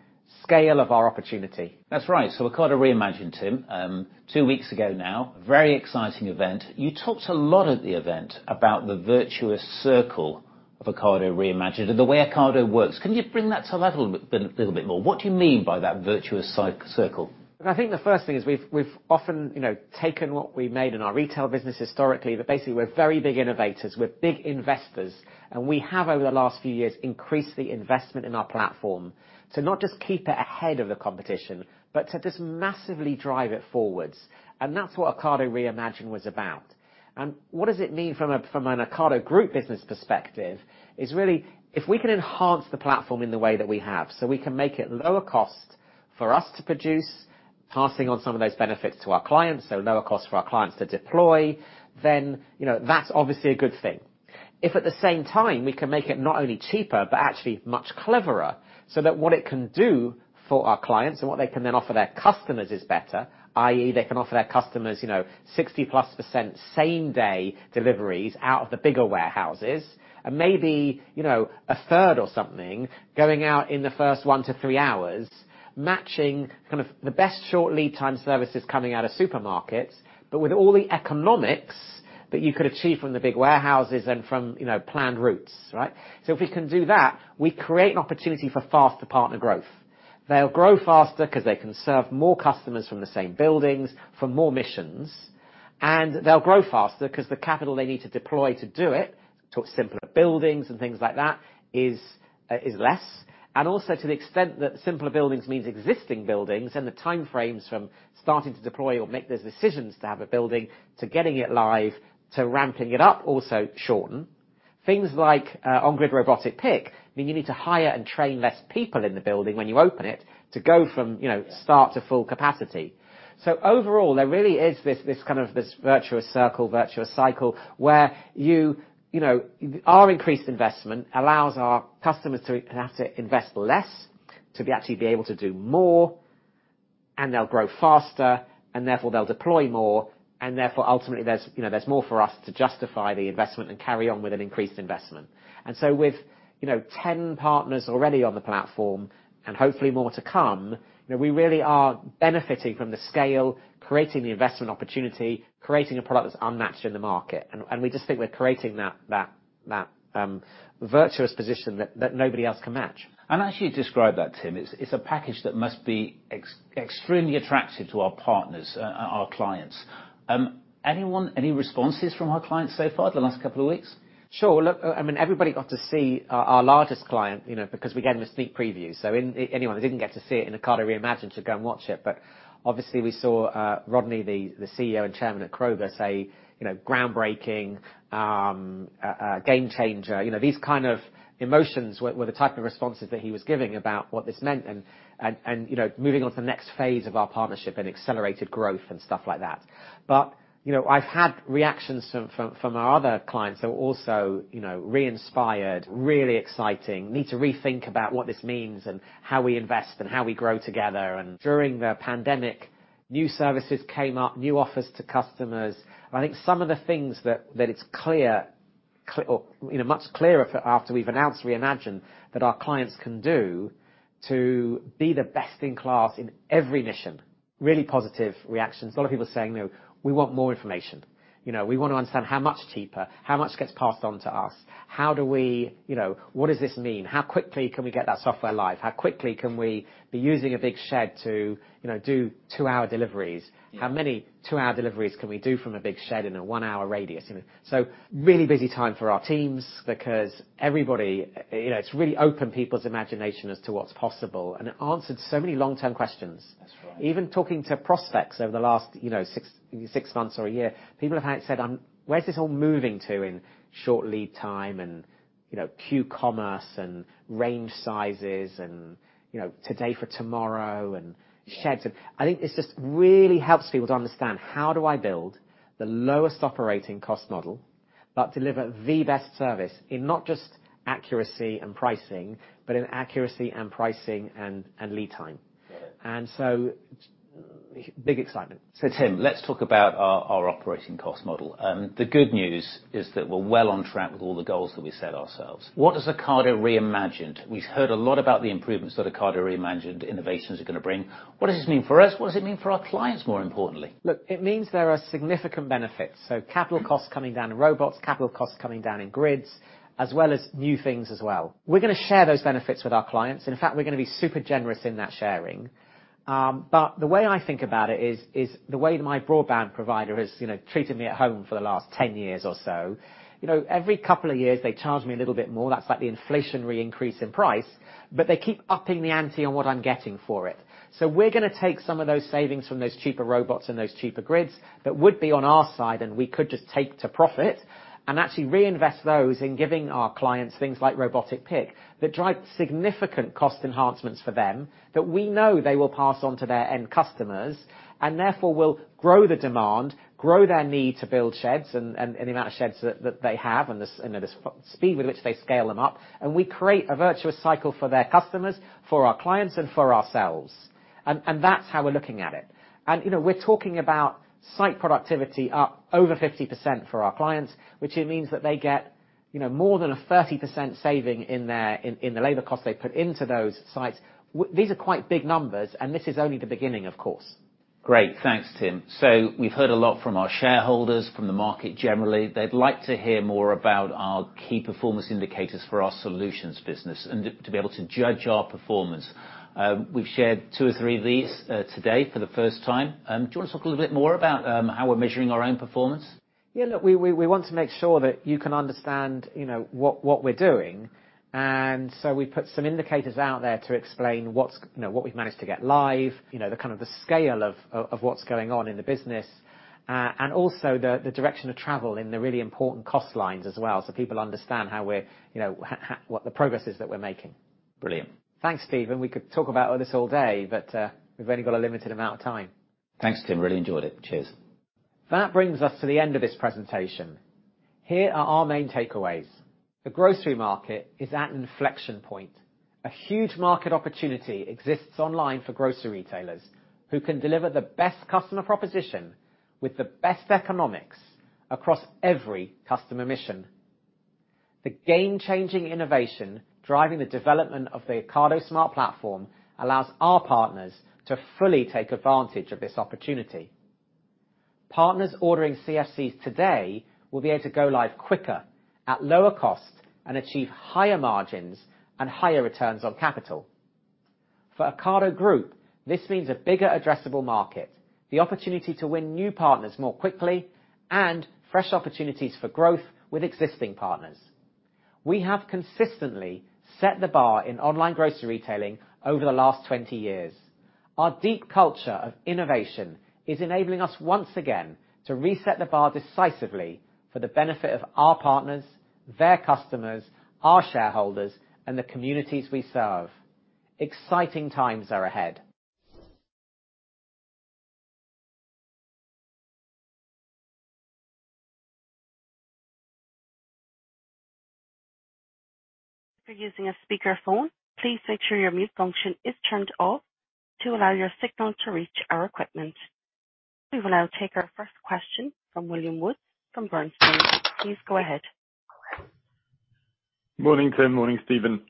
scale of our opportunity. That's right. Ocado Re:Imagined, Tim, two weeks ago now, very exciting event. You talked a lot at the event about the virtuous circle of Ocado Re:Imagined and the way Ocado works. Can you bring that to life a little bit more? What do you mean by that virtuous circle? I think the first thing is we've often, you know, taken what we made in our retail business historically, but basically, we're very big innovators, we're big investors, and we have over the last few years increased the investment in our platform to not just keep it ahead of the competition, but to just massively drive it forwards. That's what Ocado Re:Imagined was about. What does it mean from an Ocado Group business perspective is really if we can enhance the platform in the way that we have, so we can make it lower cost for us to produce, passing on some of those benefits to our clients, so lower cost for our clients to deploy, then, you know, that's obviously a good thing. If at the same time, we can make it not only cheaper, but actually much cleverer, so that what it can do for our clients and what they can then offer their customers is better, i.e. they can offer their customers, you know, 60%+ same-day deliveries out of the bigger warehouses, and maybe, you know, a third or something going out in the first one to three hours, matching kind of the best short lead time services coming out of supermarkets, but with all the economics that you could achieve from the big warehouses and from, you know, planned routes. Right? If we can do that, we create an opportunity for faster partner growth. They'll grow faster 'cause they can serve more customers from the same buildings for more missions. They'll grow faster 'cause the capital they need to deploy to do it, towards simpler buildings and things like that, is less. Also to the extent that simpler buildings means existing buildings, and the time frames from starting to deploy or make those decisions to have a building, to getting it live, to ramping it up also shorten. Things like On-Grid Robotic Pick mean you need to hire and train less people in the building when you open it to go from, you know, start to full capacity. Overall, there really is this kind of virtuous circle, virtuous cycle where you know, our increased investment allows our customers to have to invest less to actually be able to do more, and they'll grow faster, and therefore they'll deploy more, and therefore, ultimately, you know, there's more for us to justify the investment and carry on with an increased investment. With you know, 10 partners already on the platform and hopefully more to come, you know, we really are benefiting from the scale, creating the investment opportunity, creating a product that's unmatched in the market. We just think we're creating that virtuous position that nobody else can match. As you described that, Tim, it's a package that must be extremely attractive to our partners, our clients. Anyone, any responses from our clients so far the last couple of weeks? Sure. Look, I mean, everybody got to see our largest client, you know, because we gave them a sneak preview. Anyone that didn't get to see it in Ocado Re:Imagined should go and watch it. Obviously, we saw Rodney, the CEO and Chairman at Kroger say, you know, groundbreaking, a game changer. You know, these kind of emotions were the type of responses that he was giving about what this meant and, you know, moving on to the next phase of our partnership and accelerated growth and stuff like that. You know, I've had reactions from our other clients who are also, you know, reinspired, really exciting, need to rethink about what this means and how we invest and how we grow together. During the pandemic, new services came up, new offers to customers. I think some of the things that it's clear, you know, much clearer after we've announced Reimagined that our clients can do to be the best in class in every mission, really positive reactions. A lot of people saying, "You know, we want more information. You know, we wanna understand how much cheaper, how much gets passed on to us. How do we, you know, what does this mean? How quickly can we get that software live? How quickly can we be using a big shed to, you know, do two-hour deliveries? How many two-hour deliveries can we do from a big shed in a one-hour radius?" You know. Really busy time for our teams because everybody, you know, it's really opened people's imagination as to what's possible, and it answered so many long-term questions. That's right. Even talking to prospects over the last, you know, six months or a year, people have had said, "where's this all moving to in short lead time and, you know, q-commerce and range sizes and, you know, today for tomorrow and sheds?" I think this just really helps people to understand, how do I build the lowest operating cost model but deliver the best service in not just accuracy and pricing, but in accuracy and pricing and lead time. Yeah. Big excitement. Tim, let's talk about our operating cost model. The good news is that we're well on track with all the goals that we set ourselves. What does Ocado Re:Imagined mean? We've heard a lot about the improvements that Ocado Re:Imagined innovations are gonna bring. What does this mean for us? What does it mean for our clients, more importantly? Look, it means there are significant benefits. Capital costs coming down in robots, capital costs coming down in grids, as well as new things as well. We're gonna share those benefits with our clients, and in fact, we're gonna be super generous in that sharing. The way I think about it is the way my broadband provider has, you know, treated me at home for the last 10 years or so. You know, every couple of years, they charge me a little bit more. That's like the inflationary increase in price, but they keep upping the ante on what I'm getting for it. We're gonna take some of those savings from those cheaper robots and those cheaper grids that would be on our side, and we could just take to profit and actually reinvest those in giving our clients things like robotic pick that drive significant cost enhancements for them that we know they will pass on to their end customers, and therefore will grow the demand, grow their need to build sheds and the amount of sheds that they have and the speed with which they scale them up. We create a virtuous cycle for their customers, for our clients, and for ourselves. That's how we're looking at it. you know, we're talking about site productivity up over 50% for our clients, which, it means that they get, you know, more than a 30% saving in their, in the labor cost they put into those sites. These are quite big numbers, and this is only the beginning, of course. Great. Thanks, Tim. We've heard a lot from our shareholders, from the market generally. They'd like to hear more about our key performance indicators for our solutions business and to be able to judge our performance. We've shared two or three of these, today for the first time. Do you wanna talk a little bit more about how we're measuring our own performance? Yeah, look, we want to make sure that you can understand, you know, what we're doing. We put some indicators out there to explain what's, you know, what we've managed to get live, you know, the kind of scale of what's going on in the business, and also the direction of travel and the really important cost lines as well, so people understand how we're, you know, what the progress is that we're making. Brilliant. Thanks, Stephen. We could talk about all this all day, but we've only got a limited amount of time. Thanks, Tim. Really enjoyed it. Cheers. That brings us to the end of this presentation. Here are our main takeaways. The grocery market is at inflection point. A huge market opportunity exists online for grocery retailers who can deliver the best customer proposition with the best economics across every customer mission. The game-changing innovation driving the development of the Ocado Smart Platform allows our partners to fully take advantage of this opportunity. Partners ordering CFCs today will be able to go live quicker, at lower cost, and achieve higher margins and higher returns on capital. For Ocado Group, this means a bigger addressable market, the opportunity to win new partners more quickly, and fresh opportunities for growth with existing partners. We have consistently set the bar in online grocery retailing over the last 20 years. Our deep culture of innovation is enabling us once again to reset the bar decisively for the benefit of our partners, their customers, our shareholders, and the communities we serve. Exciting times are ahead. If you're using a speaker phone, please make sure your mute function is turned off to allow your signal to reach our equipment. We will now take our first question from William Woods from Bernstein. Please go ahead. Morning, Tim. Morning, Stephen.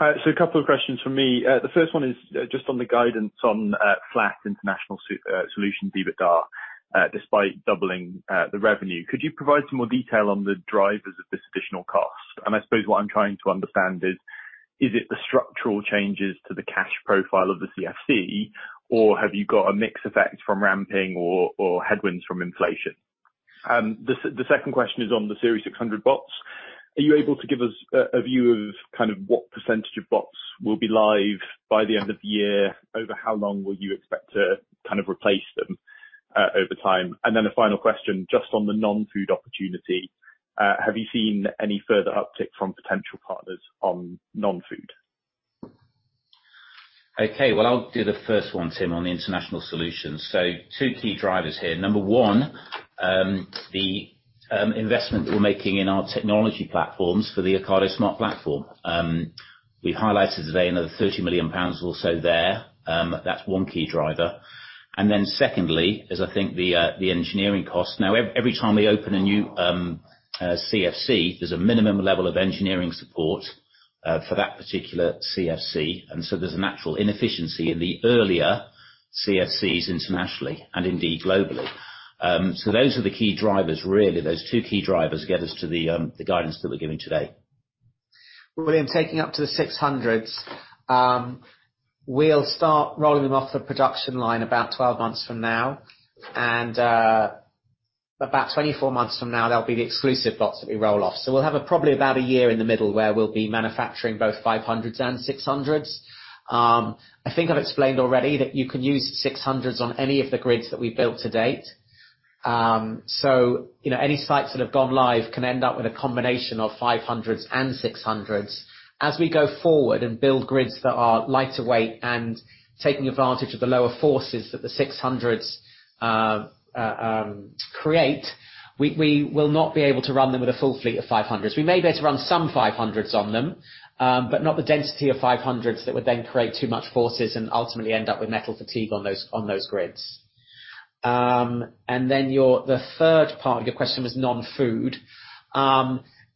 A couple of questions from me. The first one is just on the guidance on flat international solutions EBITDA despite doubling the revenue. Could you provide some more detail on the drivers of this additional cost? I suppose what I'm trying to understand is it the structural changes to the cash profile of the CFC, or have you got a mix effect from ramping or headwinds from inflation? The second question is on the 600 Series bots. Are you able to give us a view of kind of what percentage of bots will be live by the end of the year? Over how long will you expect to kind of replace them over time? A final question, just on the non-food opportunity. Have you seen any further uptick from potential partners on non-food? Okay. Well, I'll do the first one, Tim, on the International Solutions. Two key drivers here. Number one, the investment we're making in our technology platforms for the Ocado Smart Platform. We've highlighted today another 30 million pounds or so there. That's one key driver. Secondly is, I think, the engineering cost. Now, every time we open a new CFC, there's a minimum level of engineering support for that particular CFC, and so there's a natural inefficiency in the earlier CFCs internationally and indeed globally. Those are the key drivers really. Those two key drivers get us to the guidance that we're giving today. William, taking up to the six hundreds, we'll start rolling them off the production line about 12 months from now. About 24 months from now, they'll be the exclusive bots that we roll off. We'll have probably about a year in the middle where we'll be manufacturing both five hundreds and six hundreds. I think I've explained already that you can use six hundreds on any of the grids that we've built to date. You know, any sites that have gone live can end up with a combination of five hundreds and six hundreds. As we go forward and build grids that are lighter weight and taking advantage of the lower forces that the six hundreds create, we will not be able to run them with a full fleet of five hundreds. We may be able to run some 500s on them, but not the density of 500s that would then create too much forces and ultimately end up with metal fatigue on those grids. The third part of your question was non-food.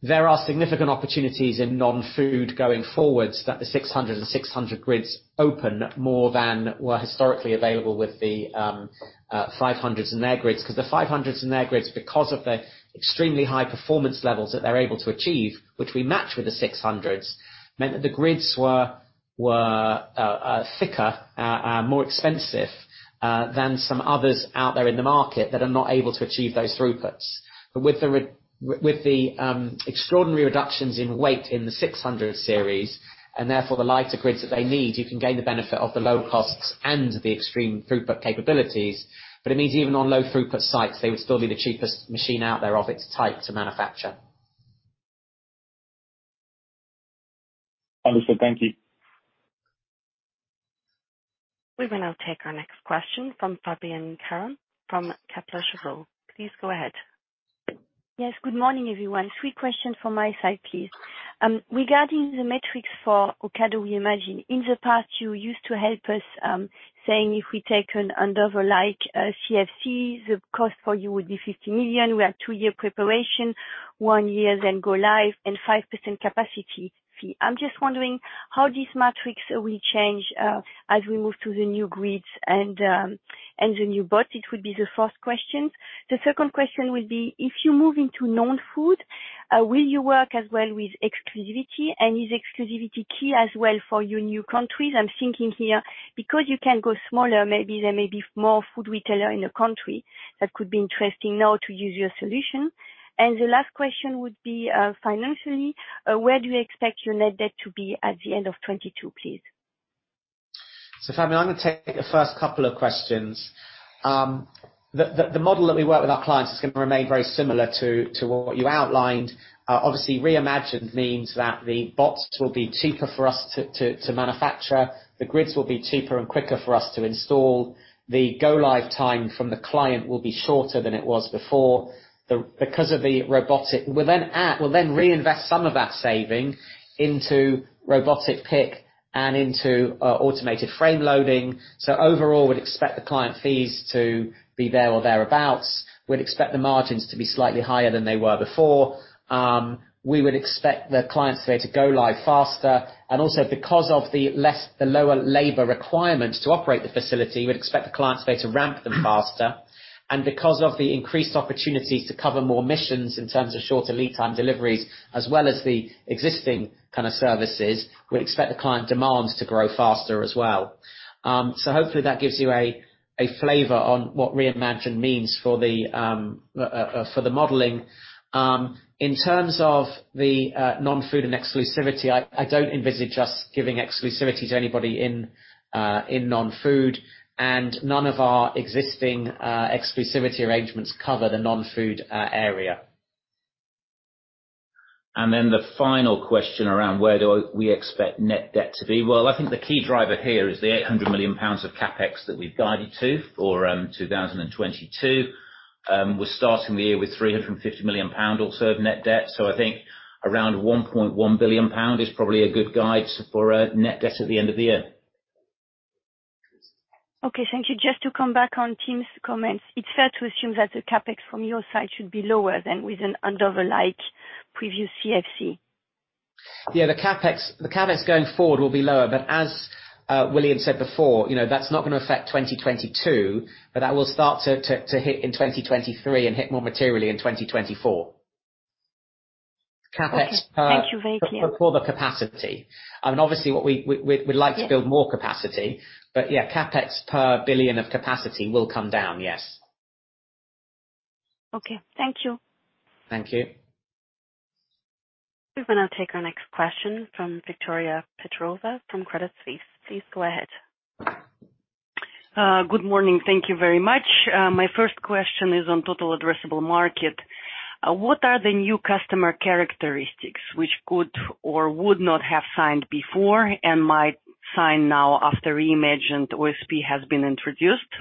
There are significant opportunities in non-food going forward so that the 600 and 600 grids open more than were historically available with the 500s and their grids. 'Cause the 500s in their grids, because of the extremely high performance levels that they're able to achieve, which we match with the 600s, meant that the grids were thicker, more expensive than some others out there in the market that are not able to achieve those throughputs. with the extraordinary reductions in weight in the 600 Series, and therefore the lighter grids that they need, you can gain the benefit of the low costs and the extreme throughput capabilities. It means even on low throughput sites, they would still be the cheapest machine out there of its type to manufacture. Understood. Thank you. We will now take our next question from Fabienne Caron from Kepler Cheuvreux. Please go ahead. Yes. Good morning, everyone. Three questions from my side, please. Regarding the metrics for Ocado Re:Imagined, in the past, you used to help us, saying if we take an Andover like CFC, the cost for you would be 50 million. We have two-year preparation, one year then go live and 5% capacity fee. I'm just wondering how these metrics will change, as we move to the new grids and the new bots. It would be the first question. The second question would be if you move into non-food, will you work as well with exclusivity, and is exclusivity key as well for your new countries? I'm thinking here because you can go smaller, maybe there may be more food retailer in the country that could be interesting now to use your solution. The last question would be, financially, where do you expect your net debt to be at the end of 2022, please? Fabienne, I'm gonna take the first couple of questions. The model that we work with our clients is gonna remain very similar to what you outlined. Obviously Re:Imagined means that the bots will be cheaper for us to manufacture. The grids will be cheaper and quicker for us to install. The go-live time from the client will be shorter than it was before. Because of the robotic, we'll then reinvest some of that saving into robotic pick and into automated frame loading. Overall, we'd expect the client fees to be there or thereabouts. We'd expect the margins to be slightly higher than they were before. We would expect the clients there to go live faster. Also because of the lower labor requirements to operate the facility, we'd expect the clients there to ramp them faster. Because of the increased opportunities to cover more missions in terms of shorter lead time deliveries as well as the existing kind of services, we'd expect the client demands to grow faster as well. Hopefully that gives you a flavor on what Reimagined means for the modeling. In terms of the non-food and exclusivity, I don't envisage us giving exclusivity to anybody in non-food, and none of our existing exclusivity arrangements cover the non-food area. Then the final question around where do we expect net debt to be. Well, I think the key driver here is the 800 million pounds of CapEx that we've guided to for 2022. We're starting the year with 350 million pounds or so of net debt, so I think around 1.1 billion pounds is probably a good guide for our net debt at the end of the year. Okay, thank you. Just to come back on Tim's comments, it's fair to assume that the CapEx from your side should be lower than with an Andover like previous CFC. Yeah. The CapEx going forward will be lower, but as William said before, you know, that's not gonna affect 2022, but that will start to hit in 2023 and hit more materially in 2024. CapEx per- Okay. Thank you. Very clear. For the capacity. I mean, obviously what we'd like to build more capacity, but yeah, CapEx per billion of capacity will come down. Yes. Okay. Thank you. Thank you. We will now take our next question from Victoria Petrova from Credit Suisse. Please go ahead. Good morning. Thank you very much. My first question is on total addressable market. What are the new customer characteristics which could or would not have signed before and might sign now after Re:Imagined OSP has been introduced?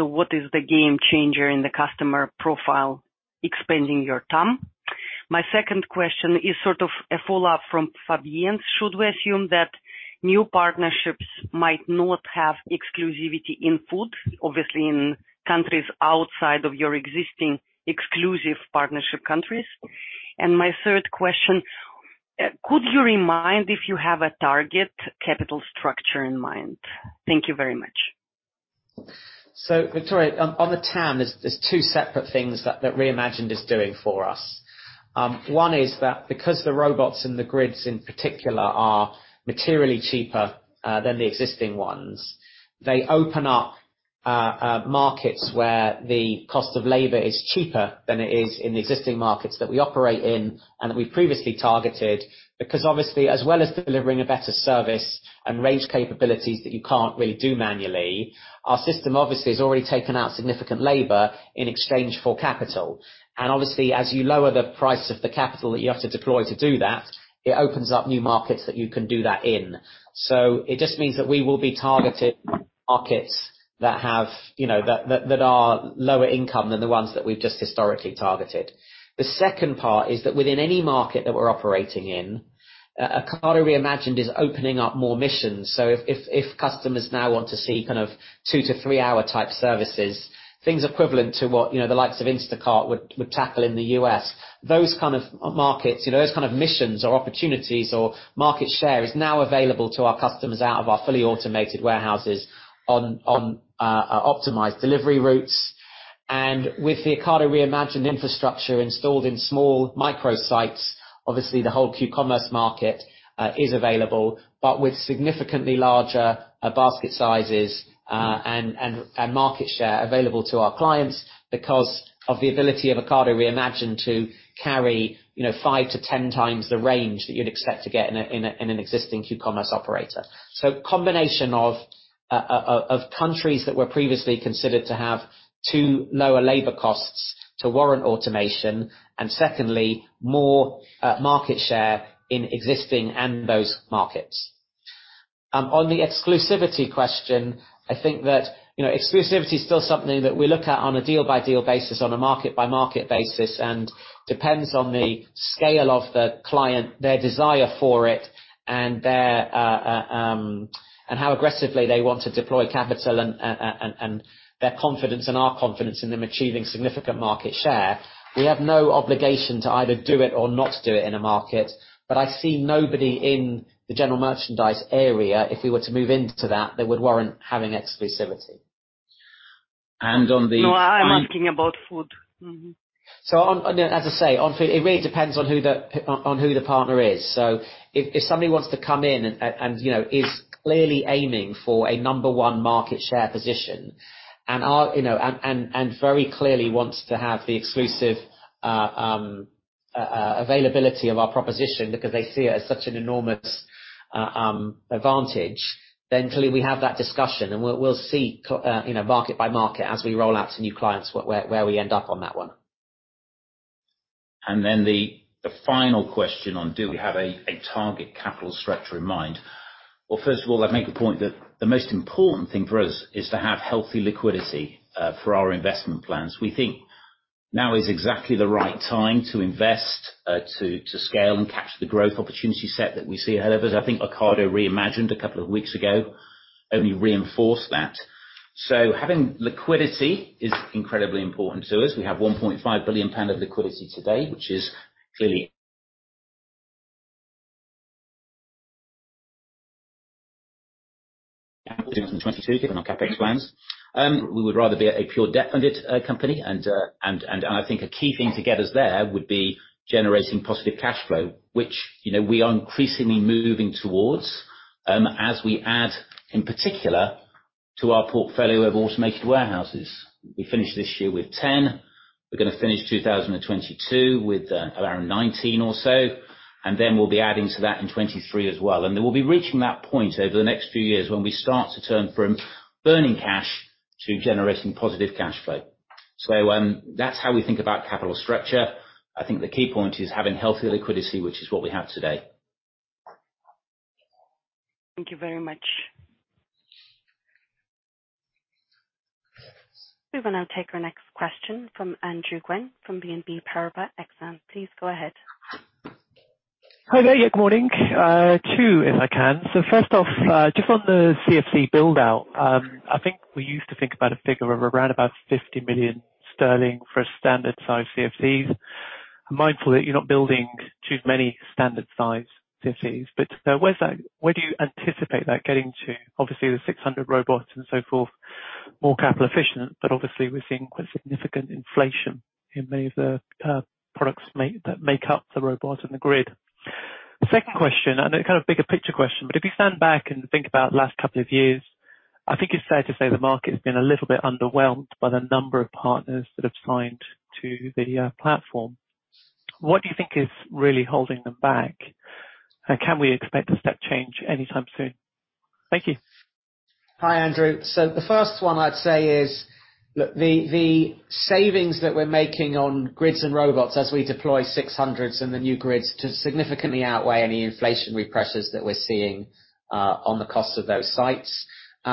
What is the game changer in the customer profile expanding your TAM? My second question is sort of a follow-up from Fabienne's. Should we assume that new partnerships might not have exclusivity in food, obviously in countries outside of your existing exclusive partnership countries? My third question, could you remind if you have a target capital structure in mind? Thank you very much. Victoria, on the TAM, there's two separate things that Re:Imagined is doing for us. One is that because the robots and the grids in particular are materially cheaper than the existing ones, they open up markets where the cost of labor is cheaper than it is in the existing markets that we operate in and that we've previously targeted. Because obviously, as well as delivering a better service and range capabilities that you can't really do manually, our system obviously has already taken out significant labor in exchange for capital. Obviously, as you lower the price of the capital that you have to deploy to do that, it opens up new markets that you can do that in. It just means that we will be targeting markets that have, you know, that are lower income than the ones that we've just historically targeted. The second part is that within any market that we're operating in, Ocado Re:Imagined is opening up more missions. If customers now want to see kind of two- to three-hour type services, things equivalent to what, you know, the likes of Instacart would tackle in the U.S., those kind of markets, you know, those kind of missions or opportunities or market share is now available to our customers out of our fully automated warehouses on optimized delivery routes. With the Ocado Re:Imagined infrastructure installed in small micro sites, obviously the whole q-commerce market is available, but with significantly larger basket sizes and market share available to our clients because of the ability of Ocado Re:Imagined to carry, you know, 5x-10x the range that you'd expect to get in an existing q-commerce operator. Combination of countries that were previously considered to have too low labor costs to warrant automation, and secondly, more market share in existing and those markets. On the exclusivity question, I think that, you know, exclusivity is still something that we look at on a deal by deal basis, on a market by market basis, and depends on the scale of the client, their desire for it, and how aggressively they want to deploy capital and their confidence and our confidence in them achieving significant market share. We have no obligation to either do it or not do it in a market. I see nobody in the general merchandise area, if we were to move into that would warrant having exclusivity. On the- No, I'm asking about food. Mm-hmm. As I say, on food, it really depends on who the partner is. If somebody wants to come in and, you know, is clearly aiming for a number one market share position and, you know, very clearly wants to have the exclusive availability of our proposition because they see it as such an enormous advantage, then clearly we have that discussion and we'll see, you know, market by market as we roll out to new clients where we end up on that one. Then the final question on, do we have a target capital structure in mind? Well, first of all, I'd make a point that the most important thing for us is to have healthy liquidity for our investment plans. We think now is exactly the right time to invest to scale and capture the growth opportunity set that we see ahead of us. I think Ocado Re:Imagined a couple of weeks ago only reinforced that. Having liquidity is incredibly important to us. We have 1.5 billion pound of liquidity today, which is clearly 2022 depending on capital plans. We would rather be a pure debt-funded company, and I think a key thing to get us there would be generating positive cash flow, which you know we are increasingly moving towards as we add, in particular, to our portfolio of automated warehouses. We finish this year with 10. We're gonna finish 2022 with around 19 or so, and then we'll be adding to that in 2023 as well. We'll be reaching that point over the next few years when we start to turn from burning cash to generating positive cash flow. That's how we think about capital structure. I think the key point is having healthy liquidity, which is what we have today. Thank you very much. We will now take our next question from Andrew Gwynn from BNP Paribas Exane. Please go ahead. Hi there. Yeah, good morning. Two, if I can. First off, just on the CFC build out, I think we used to think about a figure of around about 50 million sterling for a standard size CFCs. I'm mindful that you're not building too many standard size CFCs, but where's that, where do you anticipate that getting to? Obviously, the 600 robots and so forth, more capital efficient, but obviously we're seeing quite significant inflation in many of the products made that make up the robot and the grid. Second question, I know kind of bigger picture question, but if you stand back and think about the last couple of years, I think it's fair to say the market has been a little bit underwhelmed by the number of partners that have signed to the platform. What do you think is really holding them back? Can we expect a step change anytime soon? Thank you. Hi, Andrew. The first one I'd say is, look, the savings that we're making on grids and robots as we deploy 600s and the new grids significantly outweigh any inflationary pressures that we're seeing on the costs of those sites. You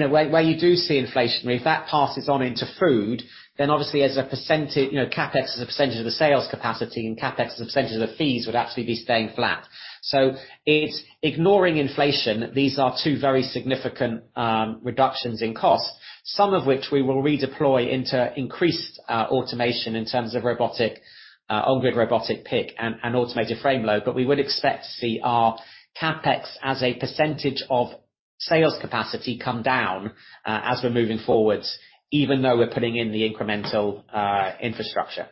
know, where you do see inflationary, if that passes on into food, then obviously as a percentage you know, CapEx as a percentage of the sales capacity and CapEx as a percentage of the fees would actually be staying flat. It's ignoring inflation. These are two very significant reductions in cost. Some of which we will redeploy into increased automation in terms of robotic on-grid robotic pick and Automated Frameload. We would expect to see our CapEx as a percentage of sales capacity come down, as we're moving forward, even though we're putting in the incremental infrastructure.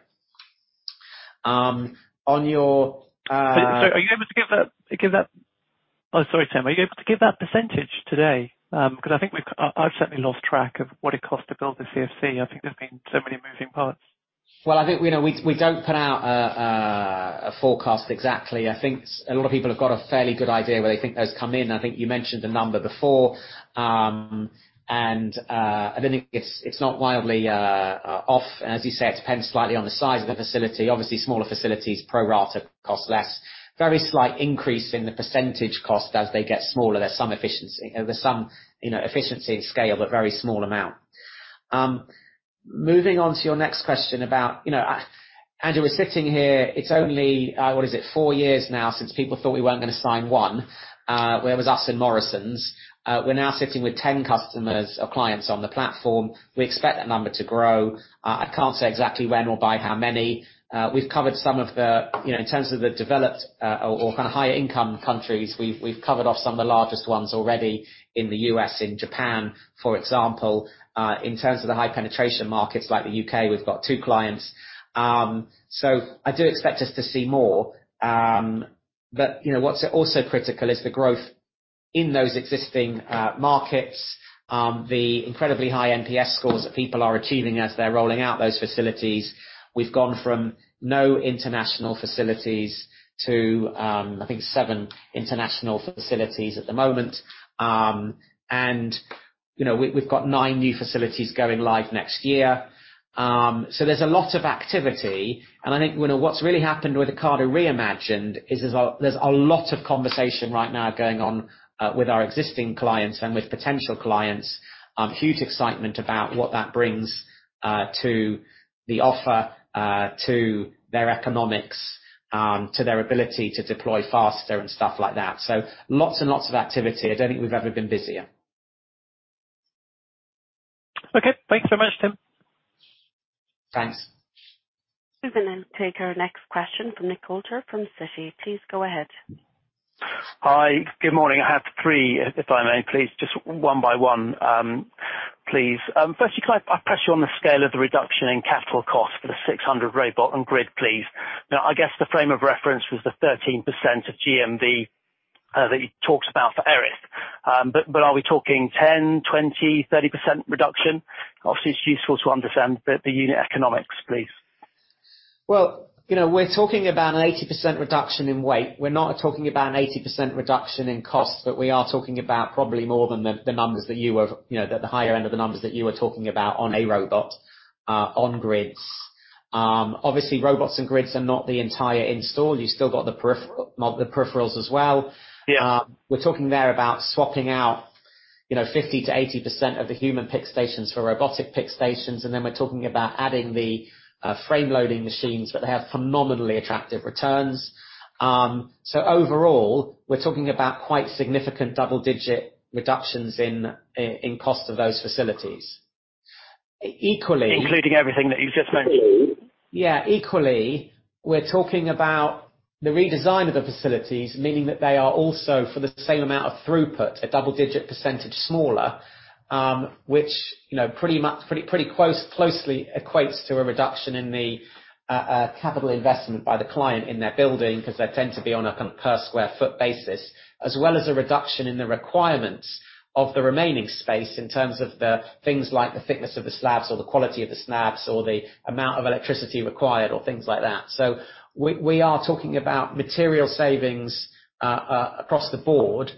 On your, Are you able to give that? Oh, sorry, Tim. Are you able to give that percentage today? 'Cause I think I've certainly lost track of what it costs to build a CFC. I think there's been so many moving parts. Well, I think, you know, we don't put out a forecast exactly. I think a lot of people have got a fairly good idea where they think those come in. I think you mentioned the number before. I think it's not wildly off. As you say, it depends slightly on the size of the facility. Obviously, smaller facilities pro rata cost less. Very slight increase in the percentage cost as they get smaller. There's some efficiency. There's some, you know, efficiency in scale, but very small amount. Moving on to your next question about, you know, Andrew, we're sitting here, it's only, what is it, four years now since people thought we weren't gonna sign one, where it was us and Morrisons. We're now sitting with 10 customers or clients on the platform. We expect that number to grow. I can't say exactly when or by how many. We've covered some of the, you know, in terms of the developed, or kind of higher income countries, we've covered off some of the largest ones already in the U.S., in Japan, for example. In terms of the high penetration markets like the U.K., we've got two clients. I do expect us to see more. You know, what's also critical is the growth in those existing markets, the incredibly high NPS scores that people are achieving as they're rolling out those facilities. We've gone from no international facilities to, I think, seven international facilities at the moment. You know, we've got nine new facilities going live next year. There's a lot of activity. I think, you know, what's really happened with Ocado Re:Imagined is there's a lot of conversation right now going on with our existing clients and with potential clients. Huge excitement about what that brings to the offer, to their economics, to their ability to deploy faster and stuff like that. Lots and lots of activity. I don't think we've ever been busier. Okay. Thanks so much, Tim. Thanks. We will now take our next question from Nick Coulter from Citi. Please go ahead. Hi. Good morning. I have three, if I may, please. Just one by one, please. Firstly, can I press you on the scale of the reduction in capital costs for the 600 robot on grid, please. Now, I guess the frame of reference was the 13% of GMV that you talked about for Erith. Are we talking 10, 20, 30% reduction? Obviously, it's useful to understand the unit economics, please. Well, you know, we're talking about an 80% reduction in weight. We're not talking about an 80% reduction in costs, but we are talking about probably more than the numbers that you were talking about. You know, the higher end of the numbers that you were talking about on a robot, on grids. Obviously, robots and grids are not the entire install. You still got the peripherals as well. Yeah. We're talking there about swapping out, you know, 50%-80% of the human pick stations for robotic pick stations, and then we're talking about adding the frame loading machines, but they have phenomenally attractive returns. Overall, we're talking about quite significant double-digit reductions in cost of those facilities. Equally- Including everything that you've just mentioned. Yeah. Equally, we're talking about the redesign of the facilities, meaning that they are also for the same amount of throughput, a double-digit % smaller, which, you know, pretty closely equates to a reduction in the capital investment by the client in their building, 'cause they tend to be on a per sq ft basis, as well as a reduction in the requirements of the remaining space in terms of the things like the thickness of the slabs or the quality of the slabs or the amount of electricity required or things like that. We are talking about material savings across the board.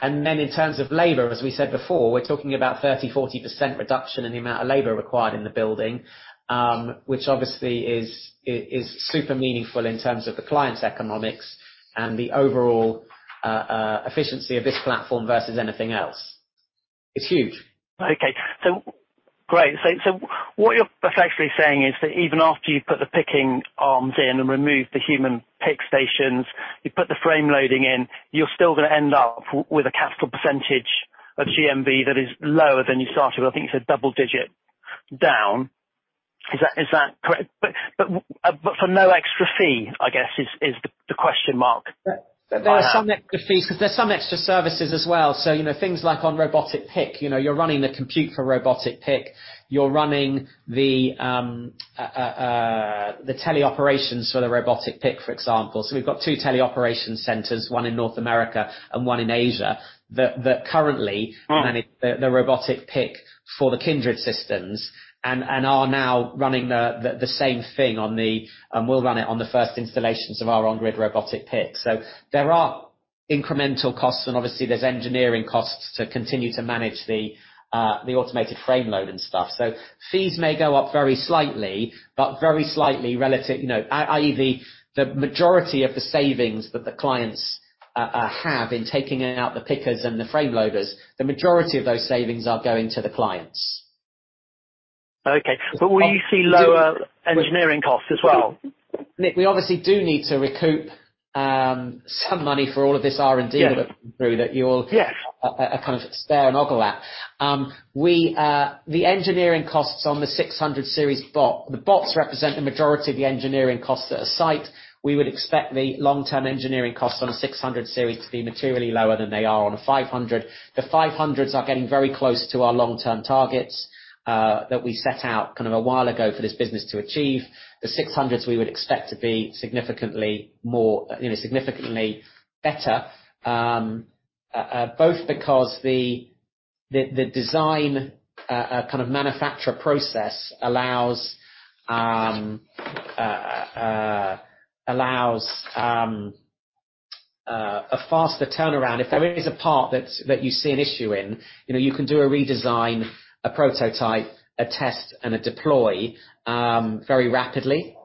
In terms of labor, as we said before, we're talking about 30%-40% reduction in the amount of labor required in the building, which obviously is super meaningful in terms of the client's economics and the overall efficiency of this platform versus anything else. It's huge. Okay. Great. What you're effectively saying is that even after you've put the picking arms in and removed the human pick stations, you put the frame loading in, you're still gonna end up with a capital percentage of GMV that is lower than you started. I think you said double digit down. Is that correct? For no extra fee, I guess, is the question? There are some extra fees 'cause there's some extra services as well. You know, things like On-Grid Robotic Pick, you know, you're running the compute for On-Grid Robotic Pick, you're running the teleoperations for the On-Grid Robotic Pick, for example. We've got two teleoperation centers, one in North America and one in Asia, that currently- Mm. manage the robotic pick for the Kindred Systems and are now running the same thing on the we'll run it on the first installations of our On-Grid Robotic Pick. There are incremental costs, and obviously there's engineering costs to continue to manage the Automated Frameload and stuff. Fees may go up very slightly, but very slightly relative, you know, i.e. the majority of the savings that the clients have in taking out the pickers and the frame loaders, the majority of those savings are going to the clients. Okay. Will you see lower engineering costs as well? Nick, we obviously do need to recoup some money for all of this R&D work through that you all- Yes. The engineering costs on the 600 Series bot. The bots represent the majority of the engineering costs at a site. We would expect the long-term engineering costs on a 600 Series to be materially lower than they are on a 500. The 500s are getting very close to our long-term targets that we set out kind of a while ago for this business to achieve. The 600s we would expect to be significantly more, you know, significantly better both because the design kind of manufacturing process allows a faster turnaround. If there is a part that you see an issue in, you know, you can do a redesign, a prototype, a test, and a deploy very rapidly.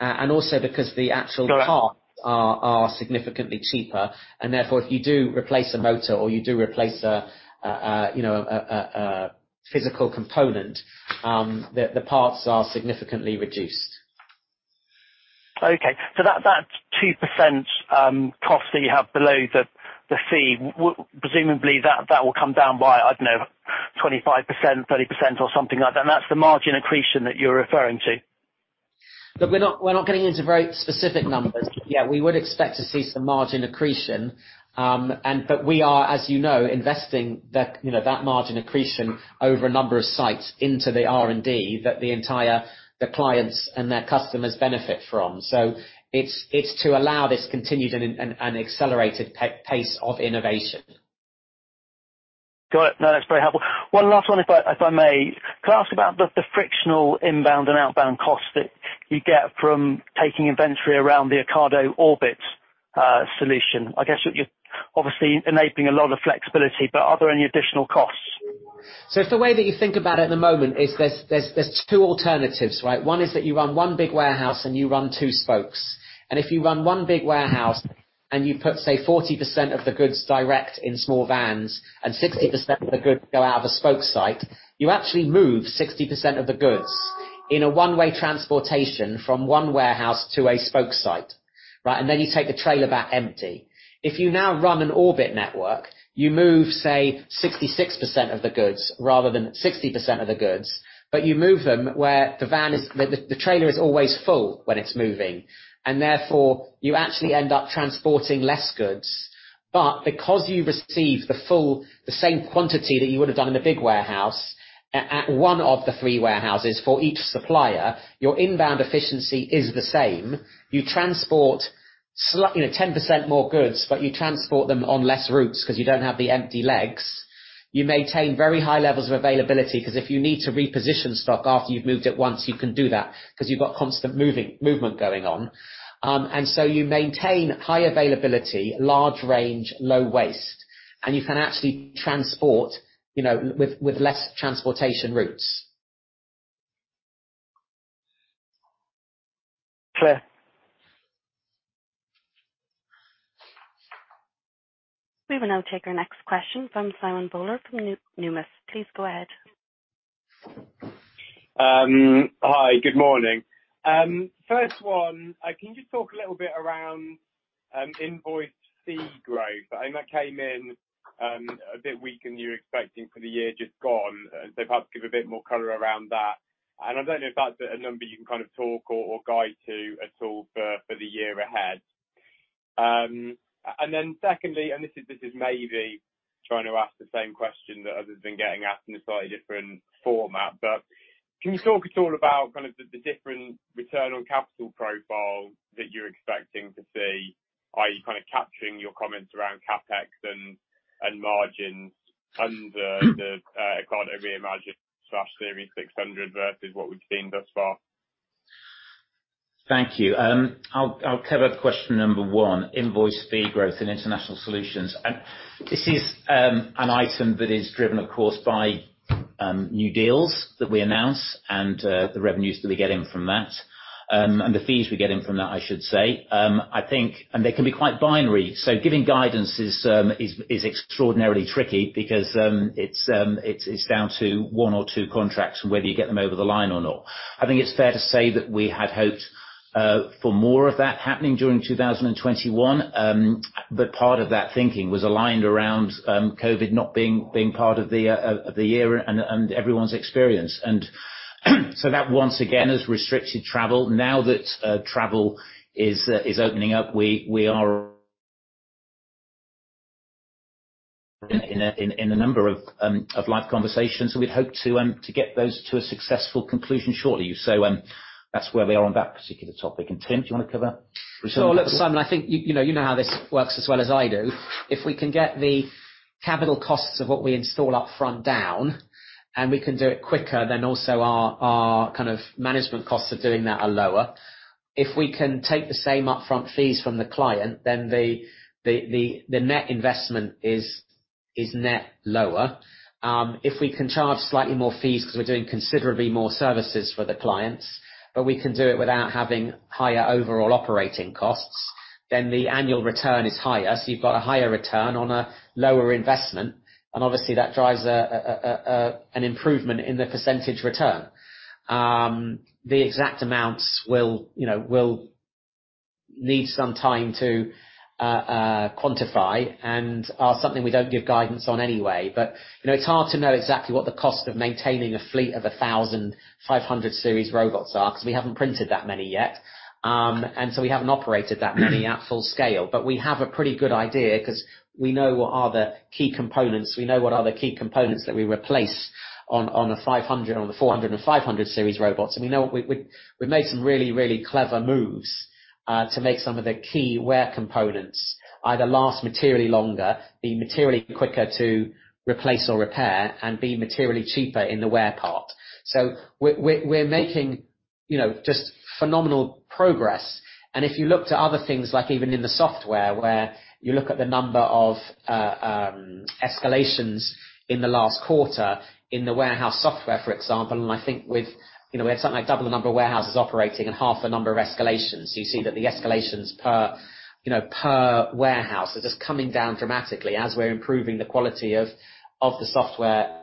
Also because the actual parts are significantly cheaper, and therefore, if you do replace a motor or you do replace a physical component, you know, the parts are significantly reduced. Okay. That 2% cost that you have below the fee, presumably that will come down by, I don't know, 25%, 30% or something like that. That's the margin accretion that you're referring to. Look, we're not getting into very specific numbers. Yeah, we would expect to see some margin accretion. We are, as you know, investing that, you know, that margin accretion over a number of sites into the R&D that the clients and their customers benefit from. It's to allow this continued and accelerated pace of innovation. Got it. No, that's very helpful. One last one, if I may. Can I ask about the frictional inbound and outbound costs that you get from taking inventory around the Ocado Orbit solution? I guess you're obviously enabling a lot of flexibility, but are there any additional costs? The way that you think about it at the moment is there's two alternatives, right? One is that you run one big warehouse and you run two spokes. If you run one big warehouse and you put, say, 40% of the goods direct in small vans and 60% of the goods go out of a spoke site, you actually move 60% of the goods in a one-way transportation from one warehouse to a spoke site, right? Then you take the trailer back empty. If you now run an Orbit network, you move, say, 66% of the goods rather than 60% of the goods, but you move them where the van is, the trailer is always full when it's moving, and therefore you actually end up transporting less goods. Because you receive the full, the same quantity that you would have done in a big warehouse at one of the three warehouses for each supplier, your inbound efficiency is the same. You transport you know, 10% more goods, but you transport them on less routes 'cause you don't have the empty legs. You maintain very high levels of availability, 'cause if you need to reposition stock after you've moved it once, you can do that 'cause you've got constant moving, movement going on. You maintain high availability, large range, low waste, and you can actually transport, you know, with less transportation routes. Clear. We will now take our next question from Simon Bowler from Numis. Please go ahead. Hi, good morning. First one, can you just talk a little bit around invoice fee growth? I think that came in a bit weaker than you're expecting for the year just gone, so perhaps give a bit more color around that. I don't know if that's a number you can kind of talk or guide to at all for the year ahead. Then secondly, this is maybe trying to ask the same question that others have been getting asked in a slightly different format. Can you talk at all about kind of the different return on capital profile that you're expecting to see? Are you kind of capturing your comments around CapEx and margins under the Ocado Re:Imagined slash Series six hundred versus what we've seen thus far? Thank you. I'll cover question number one, revenue fee growth in International Solutions. This is an item that is driven, of course, by new deals that we announce and the revenues that we're getting from that. The fees we're getting from that, I should say. I think they can be quite binary, so giving guidance is extraordinarily tricky because it's down to one or two contracts and whether you get them over the line or not. I think it's fair to say that we had hoped for more of that happening during 2021, but part of that thinking was aligned around COVID not being part of the year and everyone's experience. That once again has restricted travel. Now that travel is opening up, we are in a number of live conversations, so we'd hope to get those to a successful conclusion shortly. That's where we are on that particular topic. Tim, do you wanna cover return on capital? Well, look, Simon, I think you know how this works as well as I do. If we can get the capital costs of what we install up front down, and we can do it quicker, then also our kind of management costs of doing that are lower. If we can take the same upfront fees from the client, then the net investment is net lower. If we can charge slightly more fees 'cause we're doing considerably more services for the clients, but we can do it without having higher overall operating costs, then the annual return is higher. You've got a higher return on a lower investment, and obviously that drives an improvement in the percentage return. The exact amounts will, you know, will need some time to quantify and are something we don't give guidance on anyway. You know, it's hard to know exactly what the cost of maintaining a fleet of 1,000 500 Series robots is, 'cause we haven't printed that many yet. We haven't operated that many at full scale. We have a pretty good idea 'cause we know what the key components are that we replace on a 500, on the 400 and 500 Series robots. We know we've made some really clever moves to make some of the key wear components either last materially longer, be materially quicker to replace or repair, and be materially cheaper in the wear part. We're making, you know, just phenomenal progress. If you look at other things like even in the software where you look at the number of escalations in the last quarter in the warehouse software, for example, and I think with, you know, we have something like double the number of warehouses operating and half the number of escalations. You see that the escalations per, you know, per warehouse are just coming down dramatically as we're improving the quality of the software.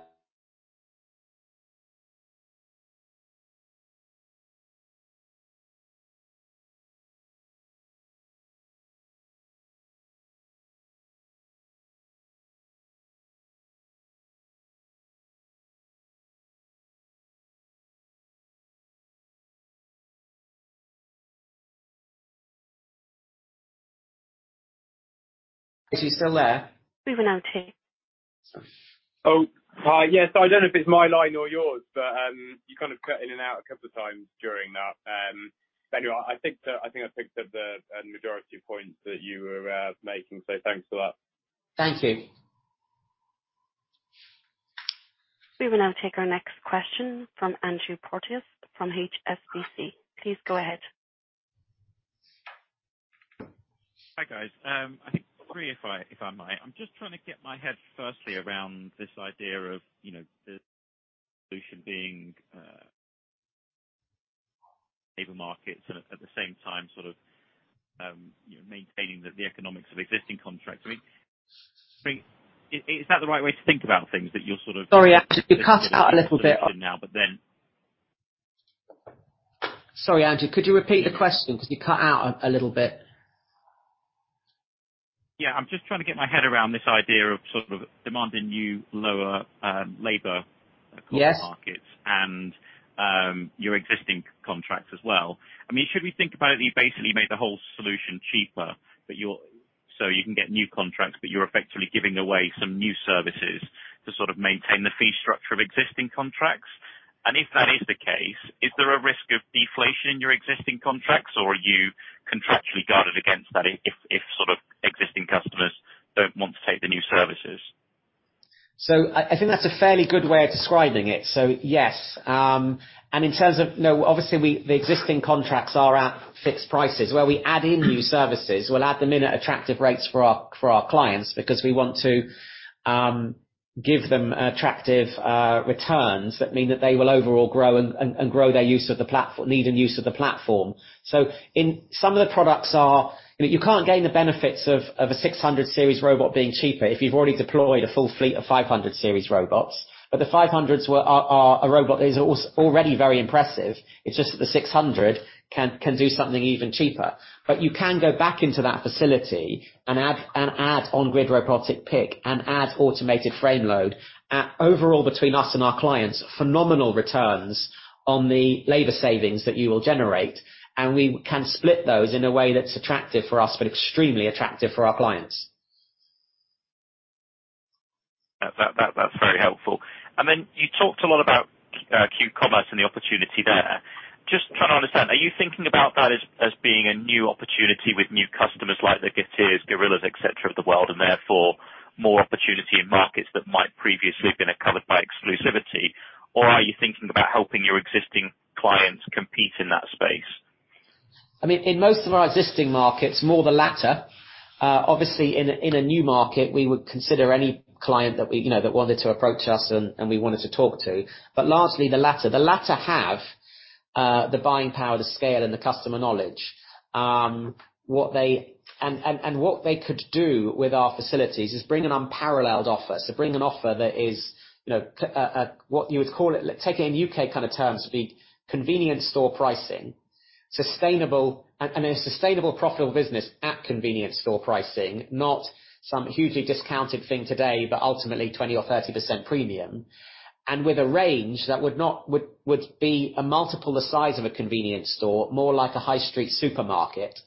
Is she still there? We will now take. Oh, hi. Yes, I don't know if it's my line or yours, but you kind of cut in and out a couple of times during that. Anyway, I think I picked up the majority of points that you were making, so thanks for that. Thank you. We will now take our next question from Andrew Porteous from HSBC. Please go ahead. Hi, guys. I think, Tim, if I may. I'm just trying to get my head firstly around this idea of, you know, the solution being labor markets at the same time, sort of, maintaining the economics of existing contracts. I mean, is that the right way to think about things that you're sort of- Sorry, you cut out a little bit. ...now, but then. Sorry, Andrew. Could you repeat the question 'cause you cut out a little bit? Yeah. I'm just trying to get my head around this idea of sort of demanding new lower, labor- Yes ...cost markets and your existing contracts as well. I mean, should we think about that you basically made the whole solution cheaper so you can get new contracts, but you're effectively giving away some new services to sort of maintain the fee structure of existing contracts? If that is the case, is there a risk of deflation in your existing contracts, or are you contractually guarded against that if sort of, existing customers don't want to take the new services? I think that's a fairly good way of describing it, yes. Obviously, the existing contracts are at fixed prices. Where we add in new services, we'll add them in at attractive rates for our clients because we want to give them attractive returns that mean that they will overall grow their need and use of the platform. In some of the products, you can't gain the benefits of a 600 Series robot being cheaper if you've already deployed a full fleet of 500 Series robots. But the 500s are a robot that is already very impressive. It's just that the 600 can do something even cheaper. You can go back into that facility and add On-Grid Robotic Pick and add Automated Frameload at overall between us and our clients, phenomenal returns on the labor savings that you will generate, and we can split those in a way that's attractive for us, but extremely attractive for our clients. That's very helpful. Then you talked a lot about q-commerce and the opportunity there. Just trying to understand, are you thinking about that as being a new opportunity with new customers like the Getir, Gorillas, et cetera of the world, and therefore more opportunity in markets that might previously been covered by exclusivity? Are you thinking about helping your existing clients compete in that space? I mean, in most of our existing markets, more the latter. Obviously in a new market, we would consider any client that we, you know, that wanted to approach us and we wanted to talk to. Largely the latter. The latter have the buying power, the scale, and the customer knowledge. What they could do with our facilities is bring an unparalleled offer. Bring an offer that is, you know, what you would call it, take it in U.K. kind of terms, convenience store pricing, sustainable and a sustainable profitable business at convenience store pricing, not some hugely discounted thing today, but ultimately 20% or 30% premium. With a range that would be a multiple the size of a convenience store, more like a high street supermarket,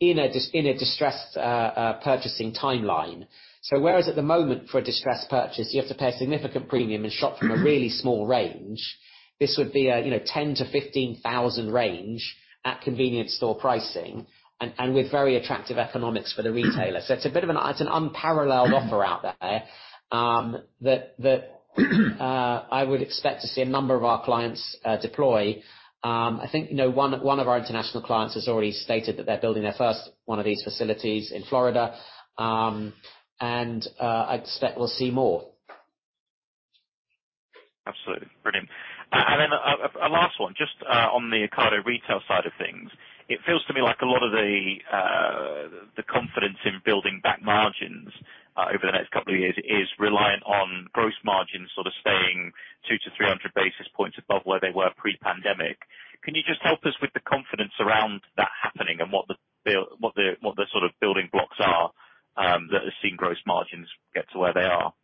in a distressed purchasing timeline. Whereas at the moment for a distressed purchase, you have to pay a significant premium and shop from a really small range. This would be a, you know, 10,000-15,000 range at convenience store pricing and with very attractive economics for the retailer. It's an unparalleled offer out there, that I would expect to see a number of our clients deploy. I think, you know, one of our international clients has already stated that they're building their first one of these facilities in Florida. I expect we'll see more. Absolutely. Brilliant. Then a last one, just, on the Ocado Retail side of things. It feels to me like a lot of the confidence in building back margins over the next couple of years is reliant on gross margins sort of staying 200-300 basis points above where they were pre-pandemic. Can you just help us with the confidence around that happening and what the sort of building blocks are that has seen gross margins get to where they are?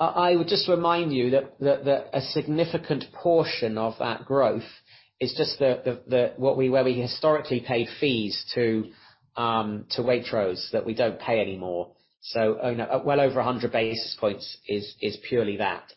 I would just remind you that a significant portion of that growth is just where we historically paid fees to Waitrose that we don't pay anymore. Well over 100 basis points is purely that.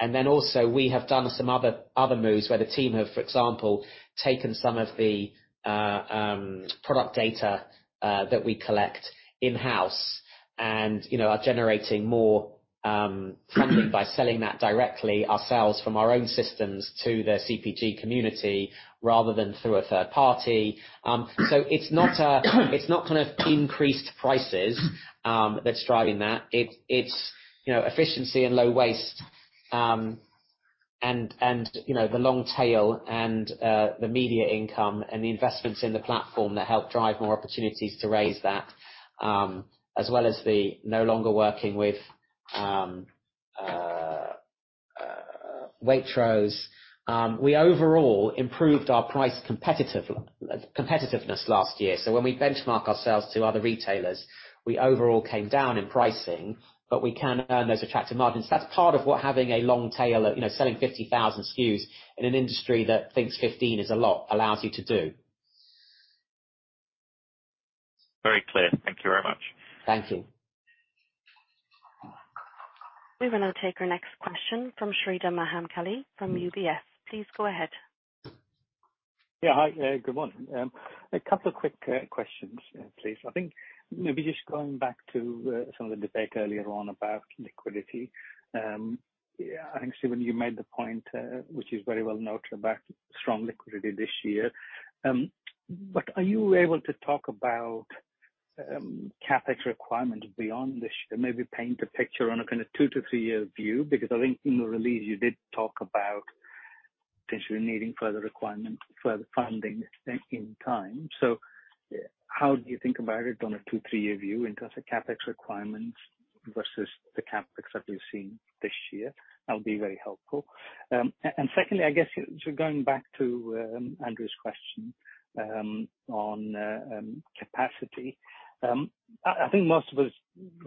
Also we have done some other moves where the team have, for example, taken some of the product data that we collect in-house and, you know, are generating more funding by selling that directly ourselves from our own systems to the CPG community rather than through a third party. It's not kind of increased prices that's driving that. It's you know, efficiency and low waste, and you know, the long tail and the media income and the investments in the platform that help drive more opportunities to raise that, as well as the no longer working with Waitrose. We overall improved our price competitiveness last year. When we benchmark ourselves to other retailers, we overall came down in pricing, but we can earn those attractive margins. That's part of what having a long tail of, you know, selling 50,000 SKUs in an industry that thinks 15 is a lot, allows you to do. Very clear. Thank you very much. Thank you. We will now take our next question from Sreedhar Mahamkali from UBS. Please go ahead. Yeah. Hi. Good morning. A couple of quick questions, please. I think maybe just going back to some of the debate earlier on about liquidity. I think, Stephen, you made the point, which is very well noted about strong liquidity this year. Are you able to talk about CapEx requirements beyond this year? Maybe paint a picture on a kinda two-three-year view, because I think in the release you did talk about potentially needing further requirement, further funding in time. How do you think about it on a two-three-year view in terms of CapEx requirements versus the CapEx that we've seen this year? That would be very helpful. Secondly, I guess, going back to Andrew's question on capacity. I think most of us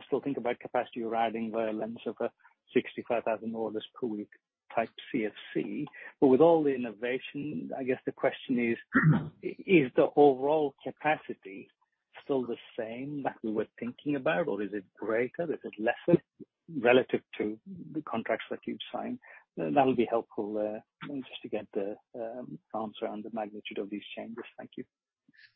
still think about capacity arriving through the lens of a 65,000 orders per week type CFC. With all the innovation, I guess the question is the overall capacity still the same that we were thinking about, or is it greater or lesser relative to the contracts that you've signed? That would be helpful, just to get the answer on the magnitude of these changes. Thank you.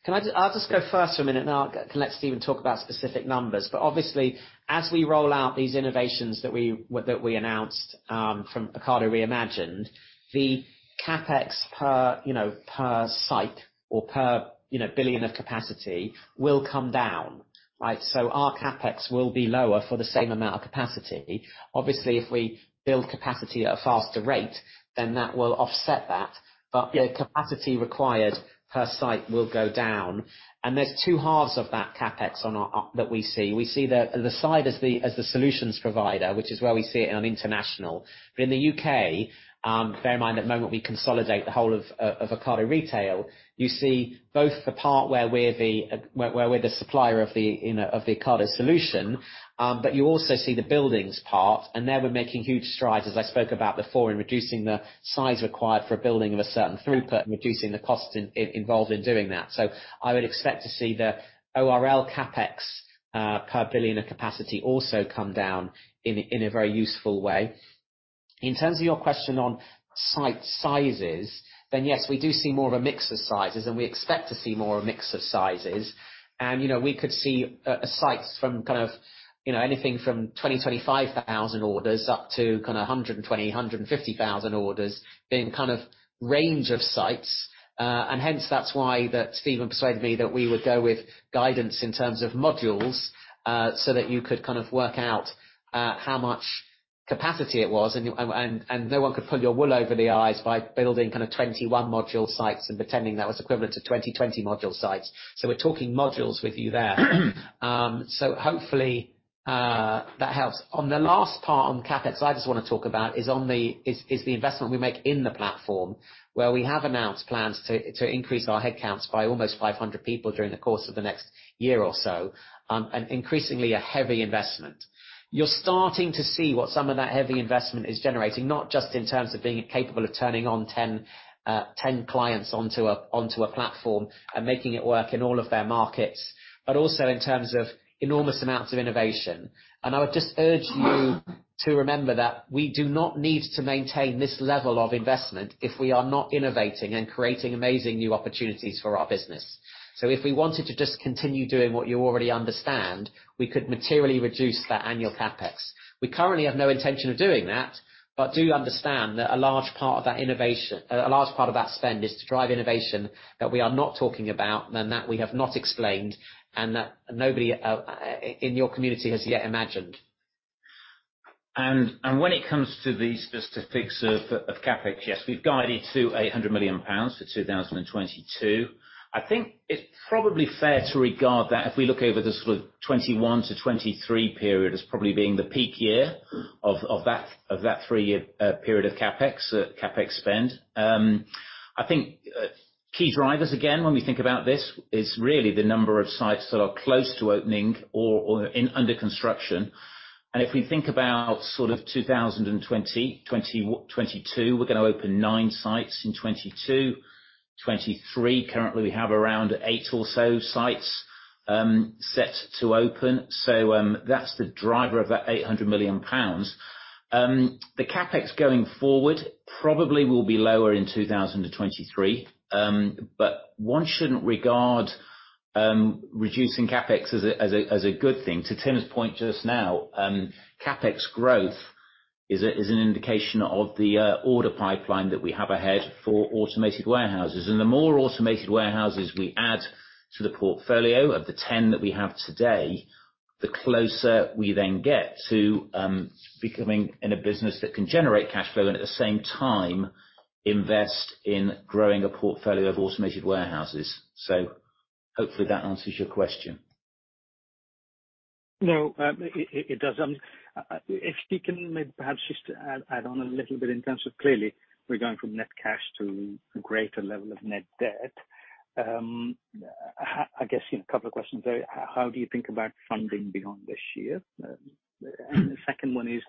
Can I just... I'll just go first for a minute, and I'll let Stephen talk about specific numbers. But obviously, as we roll out these innovations that we announced from Ocado Re:Imagined, the CapEx per, you know, per site or per, you know, billion of capacity will come down, right? So our CapEx will be lower for the same amount of capacity. Obviously, if we build capacity at a faster rate, then that will offset that. But, you know, capacity required per site will go down. There's two halves of that CapEx on our that we see. We see the side as the solutions provider, which is where we see it on international. In the U.K., bear in mind at the moment we consolidate the whole of Ocado Retail, you see both the part where we're the supplier of the, you know, of the Ocado solution, but you also see the buildings part, and there we're making huge strides, as I spoke about before, in reducing the size required for a building of a certain throughput and reducing the cost involved in doing that. I would expect to see the ORL CapEx per billion of capacity also come down in a very useful way. In terms of your question on site sizes, yes, we do see more of a mix of sizes, and we expect to see more of a mix of sizes. You know, we could see sites from kind of, you know, anything from 20,000-25,000 orders up to a hundred and twenty, a hundred and fifty thousand orders being kind of range of sites. And hence that's why that Stephen persuaded me that we would go with guidance in terms of modules, so that you could kind of work out how much capacity it was, and you and no one could pull your wool over the eyes by building kind of 21-module sites and pretending that was equivalent to 2020-module sites. We're talking modules with you there. Hopefully, that helps. On the last part on CapEx, I just wanna talk about the investment we make in the platform, where we have announced plans to increase our headcounts by almost 500 people during the course of the next year or so, and increasingly a heavy investment. You're starting to see what some of that heavy investment is generating, not just in terms of being capable of turning on 10 clients onto a platform and making it work in all of their markets, but also in terms of enormous amounts of innovation. I would just urge you to remember that we do not need to maintain this level of investment if we are not innovating and creating amazing new opportunities for our business. If we wanted to just continue doing what you already understand, we could materially reduce that annual CapEx. We currently have no intention of doing that, but do understand that a large part of that innovation, a large part of that spend is to drive innovation that we are not talking about and that we have not explained, and that nobody in your community has yet imagined. When it comes to the specifics of CapEx, yes, we've guided to 100 million pounds for 2022. I think it's probably fair to regard that if we look over the sort of 2021-2023 period as probably being the peak year of that three-year period of CapEx spend. I think key drivers, again, when we think about this, is really the number of sites that are close to opening or in under construction. If we think about sort of 2020, 2022, we're gonna open nine sites in 2022. 2023, currently we have around eight or so sites set to open. That's the driver of that 800 million pounds. The CapEx going forward probably will be lower in 2023, but one shouldn't regard reducing CapEx as a good thing. To Tim's point just now, CapEx growth is an indication of the order pipeline that we have ahead for automated warehouses. The more automated warehouses we add to the portfolio of the 10 that we have today, the closer we then get to becoming in a business that can generate cash flow and at the same time invest in growing a portfolio of automated warehouses. Hopefully that answers your question. No, it does. If you can maybe perhaps just add on a little bit in terms of clearly we're going from net cash to a greater level of net debt. I guess, you know, a couple of questions there. How do you think about funding beyond this year? And the second one is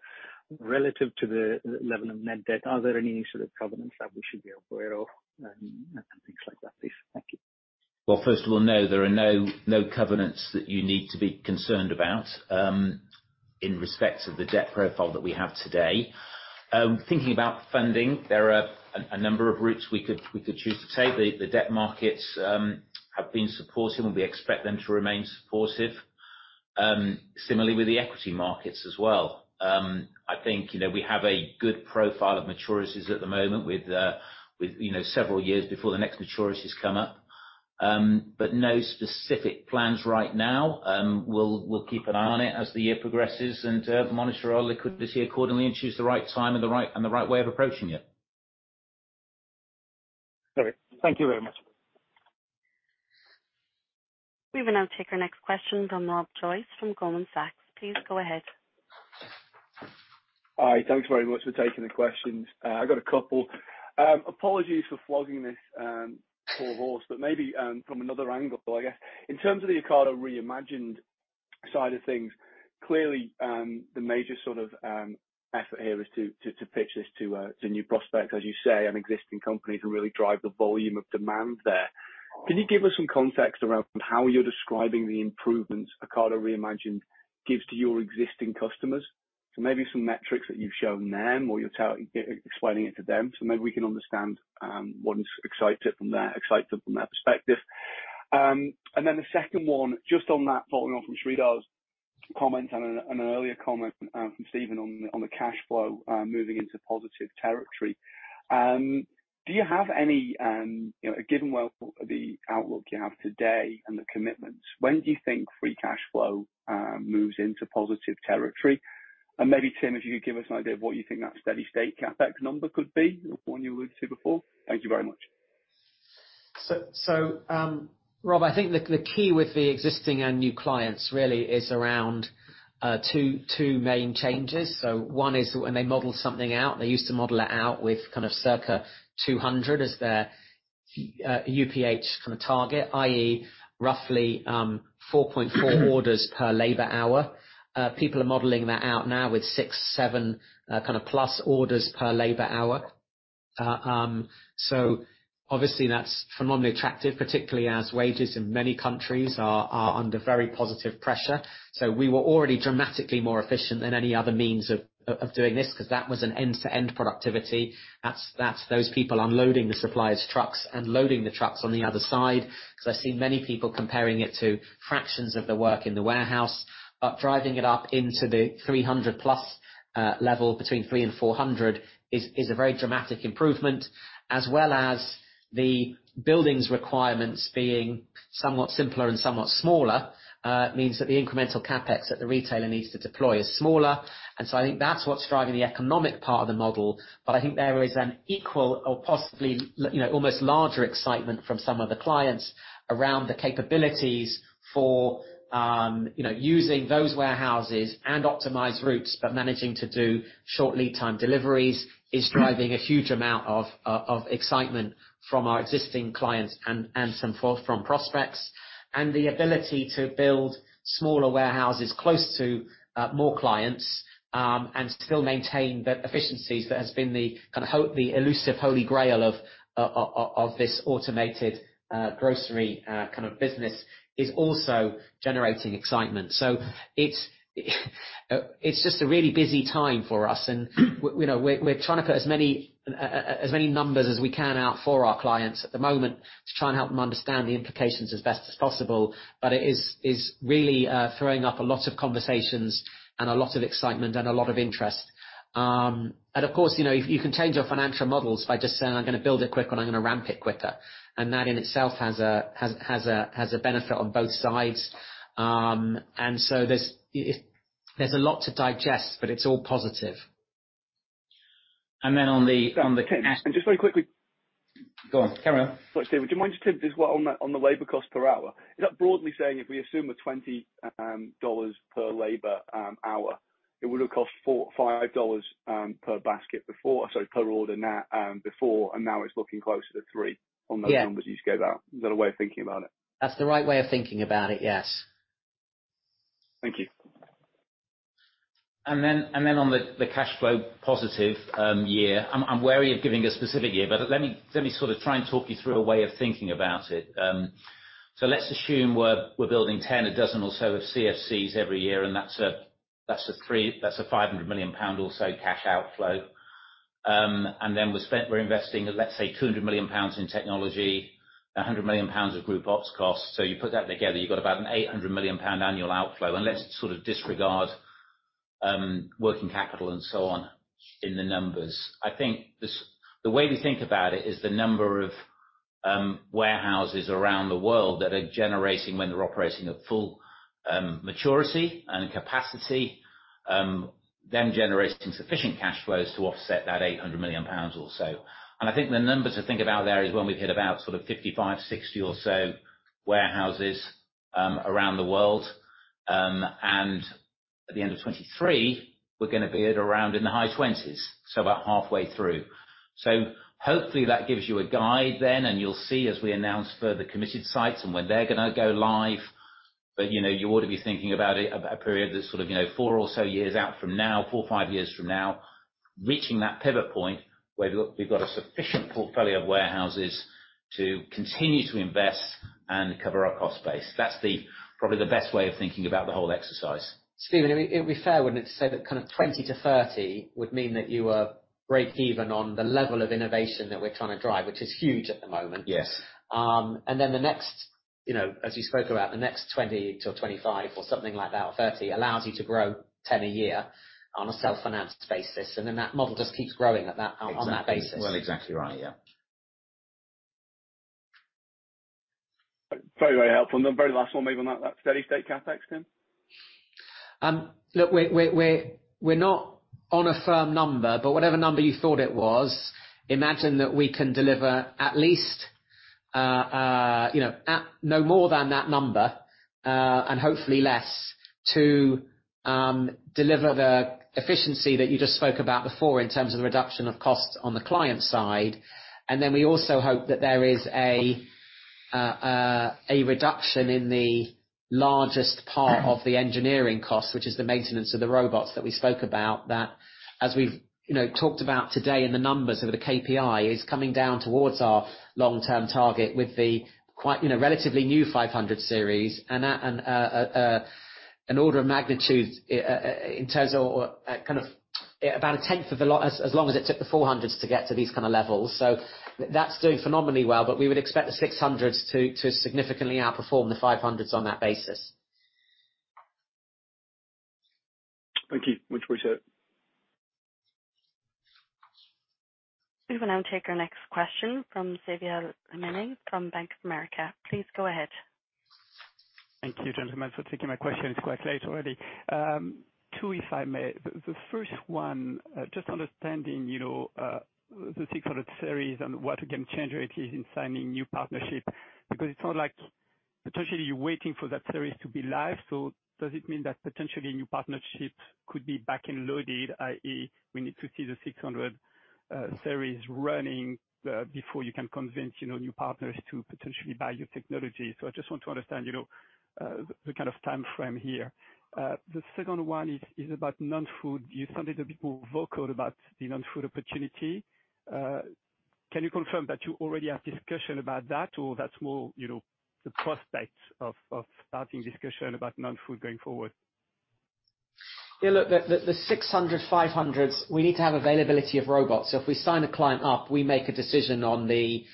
relative to the level of net debt, are there any sort of covenants that we should be aware of and things like that, please? Well, first of all, no, there are no covenants that you need to be concerned about in respect to the debt profile that we have today. Thinking about funding, there are a number of routes we could choose to take. The debt markets have been supportive, and we expect them to remain supportive. Similarly with the equity markets as well. I think, you know, we have a good profile of maturities at the moment with you know, several years before the next maturities come up. No specific plans right now. We'll keep an eye on it as the year progresses and monitor our liquidity accordingly and choose the right time and the right way of approaching it. All right. Thank you very much. We will now take our next question from Rob Joyce from Goldman Sachs. Please go ahead. Hi. Thanks very much for taking the questions. I got a couple. Apologies for flogging this poor horse, but maybe from another angle, I guess. In terms of the Ocado Re:Imagined side of things, clearly the major sort of effort here is to pitch this to new prospects, as you say, an existing company to really drive the volume of demand there. Can you give us some context around how you're describing the improvements Ocado Re:Imagined gives to your existing customers? So maybe some metrics that you've shown them or you're explaining it to them, so maybe we can understand what excites them from their perspective. The second one, just on that, following on from Sreedhar's comment and an earlier comment from Stephen on the cash flow moving into positive territory. Do you have any, you know, given, well, the outlook you have today and the commitments, when do you think free cash flow moves into positive territory? Maybe, Tim, if you could give us an idea of what you think that steady state CapEx number could be, the one you alluded to before. Thank you very much. Rob, I think the key with the existing and new clients really is around two main changes. One is when they model something out, they used to model it out with kind of circa 200 as their UPH kind of target, i.e., roughly 4.4 orders per labor hour. Obviously that's phenomenally attractive, particularly as wages in many countries are under very positive pressure. We were already dramatically more efficient than any other means of doing this 'cause that was an end-to-end productivity. That's those people unloading the suppliers' trucks and loading the trucks on the other side. I see many people comparing it to fractions of the work in the warehouse. Driving it up into the 300+ level, between 300-400 is a very dramatic improvement. As well as the buildings requirements being somewhat simpler and somewhat smaller, means that the incremental CapEx that the retailer needs to deploy is smaller. I think that's what's driving the economic part of the model. I think there is an equal or possibly, you know, almost larger excitement from some of the clients around the capabilities for, you know, using those warehouses and optimized routes. Managing to do short lead time deliveries is driving a huge amount of excitement from our existing clients and some from prospects. The ability to build smaller warehouses close to more clients and still maintain the efficiencies that has been the elusive holy grail of this automated grocery kind of business is also generating excitement. It's just a really busy time for us and, you know, we're trying to put as many numbers as we can out for our clients at the moment to try and help them understand the implications as best as possible. It is really throwing up a lot of conversations and a lot of excitement and a lot of interest. Of course, you know, you can change your financial models by just saying, "I'm gonna build it quicker and I'm gonna ramp it quicker." That in itself has a benefit on both sides. There's a lot to digest, but it's all positive. On the ca- Tim, just very quickly. Go on. Carry on. Sorry, Stephen. Rob, I think the key with the existing and new clients but it's all positive. Then on the call, Tim, just very quickly. Go on. Carry on. Sorry, Stephen, would you mind just You know, you ought to be thinking about it, about a period that's sort of, you know, four or so years out from now, four to five years from now, reaching that pivot point where we've got a sufficient portfolio of warehouses to continue to invest and cover our cost base. That's the probably the best way of thinking about the whole exercise. Stephen, it would be fair, wouldn't it, to say that kind of 20-30 would mean that you are breakeven on the level of innovation that we're trying to drive, which is huge at the moment. Yes. The next, you know, as you spoke about, the next 20-25 or something like that, or 30, allows you to grow 10 a year on a self-financed basis, and then that model just keeps growing at that, on that basis. Well, exactly right. Yeah. Very, very helpful. Very last one maybe on that steady-state CapEx, Tim. Look, we're not on a firm number, but whatever number you thought it was, imagine that we can deliver at least, you know, at no more than that number, and hopefully less to deliver the efficiency that you just spoke about before in terms of the reduction of costs on the client side. We also hope that there is a reduction in the largest part of the engineering cost, which is the maintenance of the robots that we spoke about. That, as we've you know talked about today in the numbers over the KPIs, is coming down towards our long-term target with the quite you know relatively new 500 Series and that an order of magnitude in terms of kind of about a tenth as long as it took the 400s to get to these kind of levels. That's doing phenomenally well. We would expect the 600s to significantly outperform the 500s on that basis. Thank you. Much appreciated. We will now take our next question from Xavier Le Mené from Bank of America. Please go ahead. Thank you, gentlemen, for taking my question. It's quite late already. Two if I may. The first one, just understanding, you know, the 600 Series and what can change, or at least in signing new partnership, because it's not like potentially you're waiting for that series to be live. Does it mean that potentially new partnerships could be back-loaded, i.e., we need to see the 600 Series running before you can convince, you know, new partners to potentially buy your technology? I just want to understand, you know, the kind of timeframe here. The second one is about non-food. You're suddenly a bit more vocal about the non-food opportunity. Can you confirm that you already have discussion about that, or that's more, you know, the prospect of starting discussion about non-food going forward? Yeah, look, the 600, 500s, we need to have availability of robots. If we sign a client up, we make a decision on the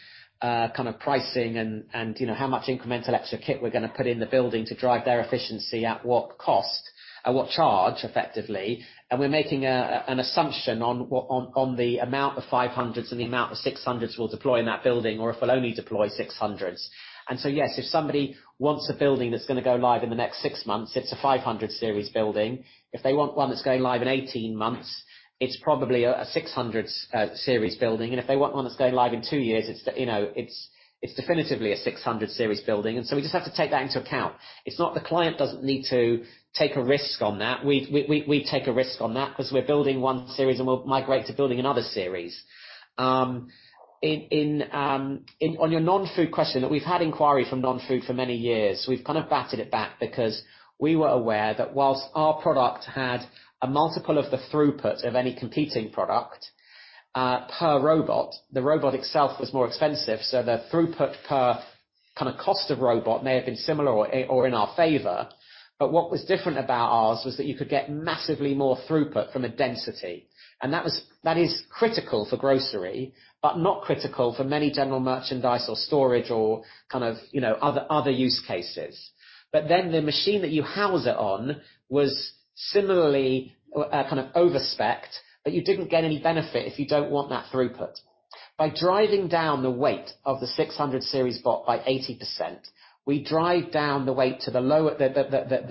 kind of pricing and you know, how much incremental extra kit we're gonna put in the building to drive their efficiency at what cost and what charge effectively. We're making an assumption on the amount of 500s and the amount of 600s we'll deploy in that building or if we'll only deploy 600s. Yes, if somebody wants a building that's gonna go live in the next six months, it's a 500 series building. If they want one that's going live in 18 months, it's probably a 600 series building. If they want one that's going live in two years, it's, you know, definitely a 600 Series building. We just have to take that into account. It's not the client doesn't need to take a risk on that. We take a risk on that 'cause we're building one series and we'll migrate to building another series. On your non-food question, we've had inquiry from non-food for many years. We've kind of batted it back because we were aware that while our product had a multiple of the throughput of any competing product, per robot, the robot itself was more expensive. The throughput per kind of cost of robot may have been similar or in our favor. What was different about ours was that you could get massively more throughput from a density, and that is critical for grocery, but not critical for many general merchandise or storage or kind of, you know, other use cases. Then the machine that you house it on was similarly, kind of overspecced, but you didn't get any benefit if you don't want that throughput. By driving down the weight of the 600 Series bot by 80%, we drive down the weight to the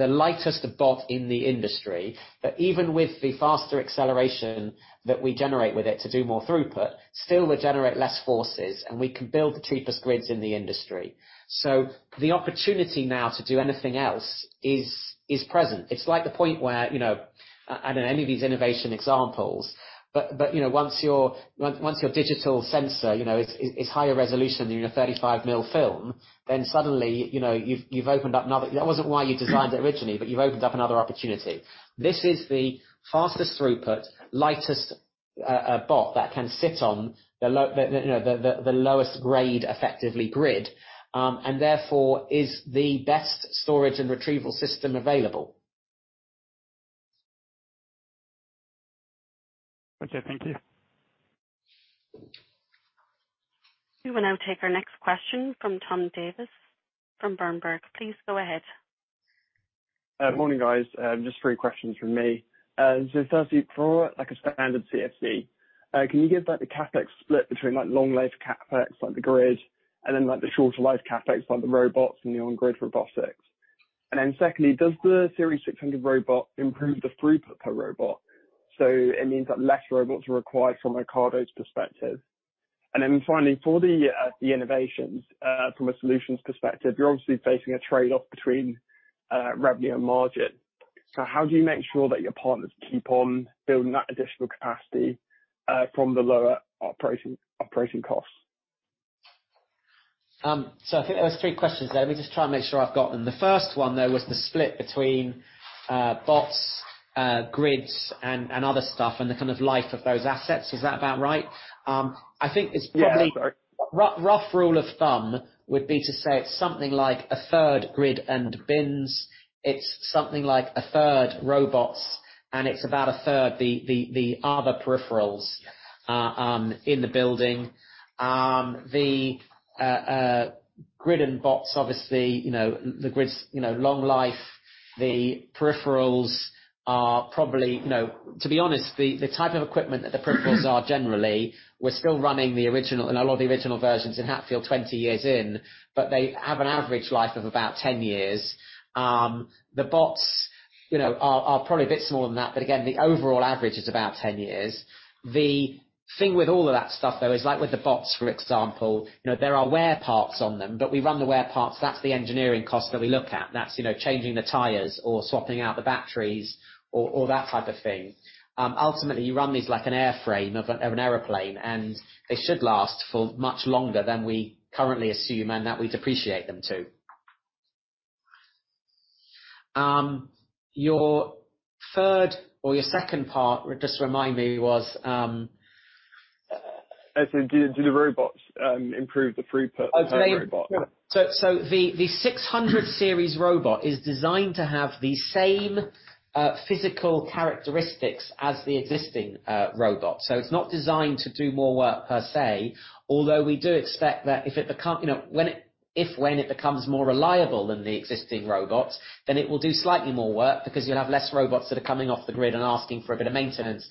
lightest bot in the industry. Even with the faster acceleration that we generate with it to do more throughput, still we generate less forces and we can build the cheapest grids in the industry. The opportunity now to do anything else is present. It's like the point where, you know, and in any of these innovation examples, but you know, once your digital sensor, you know, is higher resolution than your 35 mil film, then suddenly, you know, you've opened up another. That wasn't why you designed it originally, but you've opened up another opportunity. This is the fastest throughput, lightest bot that can sit on the, you know, the lowest grade effectively grid, and therefore is the best storage and retrieval system available. Okay. Thank you. We will now take our next question from Tom Davies from Berenberg. Please go ahead. Morning, guys. Just three questions from me. Firstly, for like a standard CFC, can you give like the CapEx split between like long life CapEx, like the grid, and then like the shorter life CapEx, like the robots and the on-grid robotics? And then secondly, does the series 600 robot improve the throughput per robot, so it means that less robots are required from Ocado's perspective? And then finally, for the innovations, from a solutions perspective, you're obviously facing a trade-off between revenue and margin. How do you make sure that your partners keep on building that additional capacity from the lower operating costs? I think there was three questions there. Let me just try and make sure I've got them. The first one, though, was the split between bots, grids and other stuff and the kind of life of those assets. Is that about right? I think it's probably- Yeah. Rough rule of thumb would be to say it's something like a third grid and bins. It's something like a third robots, and it's about a third the other peripherals in the building. The grid and bots, obviously, you know, the grids, you know, long life. The peripherals are probably. No. To be honest, the type of equipment that the peripherals are generally, we're still running the original, a lot of the original versions in Hatfield 20 years in, but they have an average life of about 10 years. The bots, you know, are probably a bit smaller than that, but again, the overall average is about 10 years. The thing with all of that stuff, though, is like with the bots, for example, you know, there are wear parts on them, but we run the wear parts. That's the engineering cost that we look at. That's, you know, changing the tires or swapping out the batteries or that type of thing. Ultimately, you run these like an airframe of an airplane, and they should last for much longer than we currently assume and that we depreciate them to. Your third or your second part, just remind me, was- I said do the robots improve the throughput per robot? The 600 series robot is designed to have the same physical characteristics as the existing robot. It's not designed to do more work per se, although we do expect that when it becomes more reliable than the existing robots, then it will do slightly more work because you'll have less robots that are coming off the grid and asking for a bit of maintenance.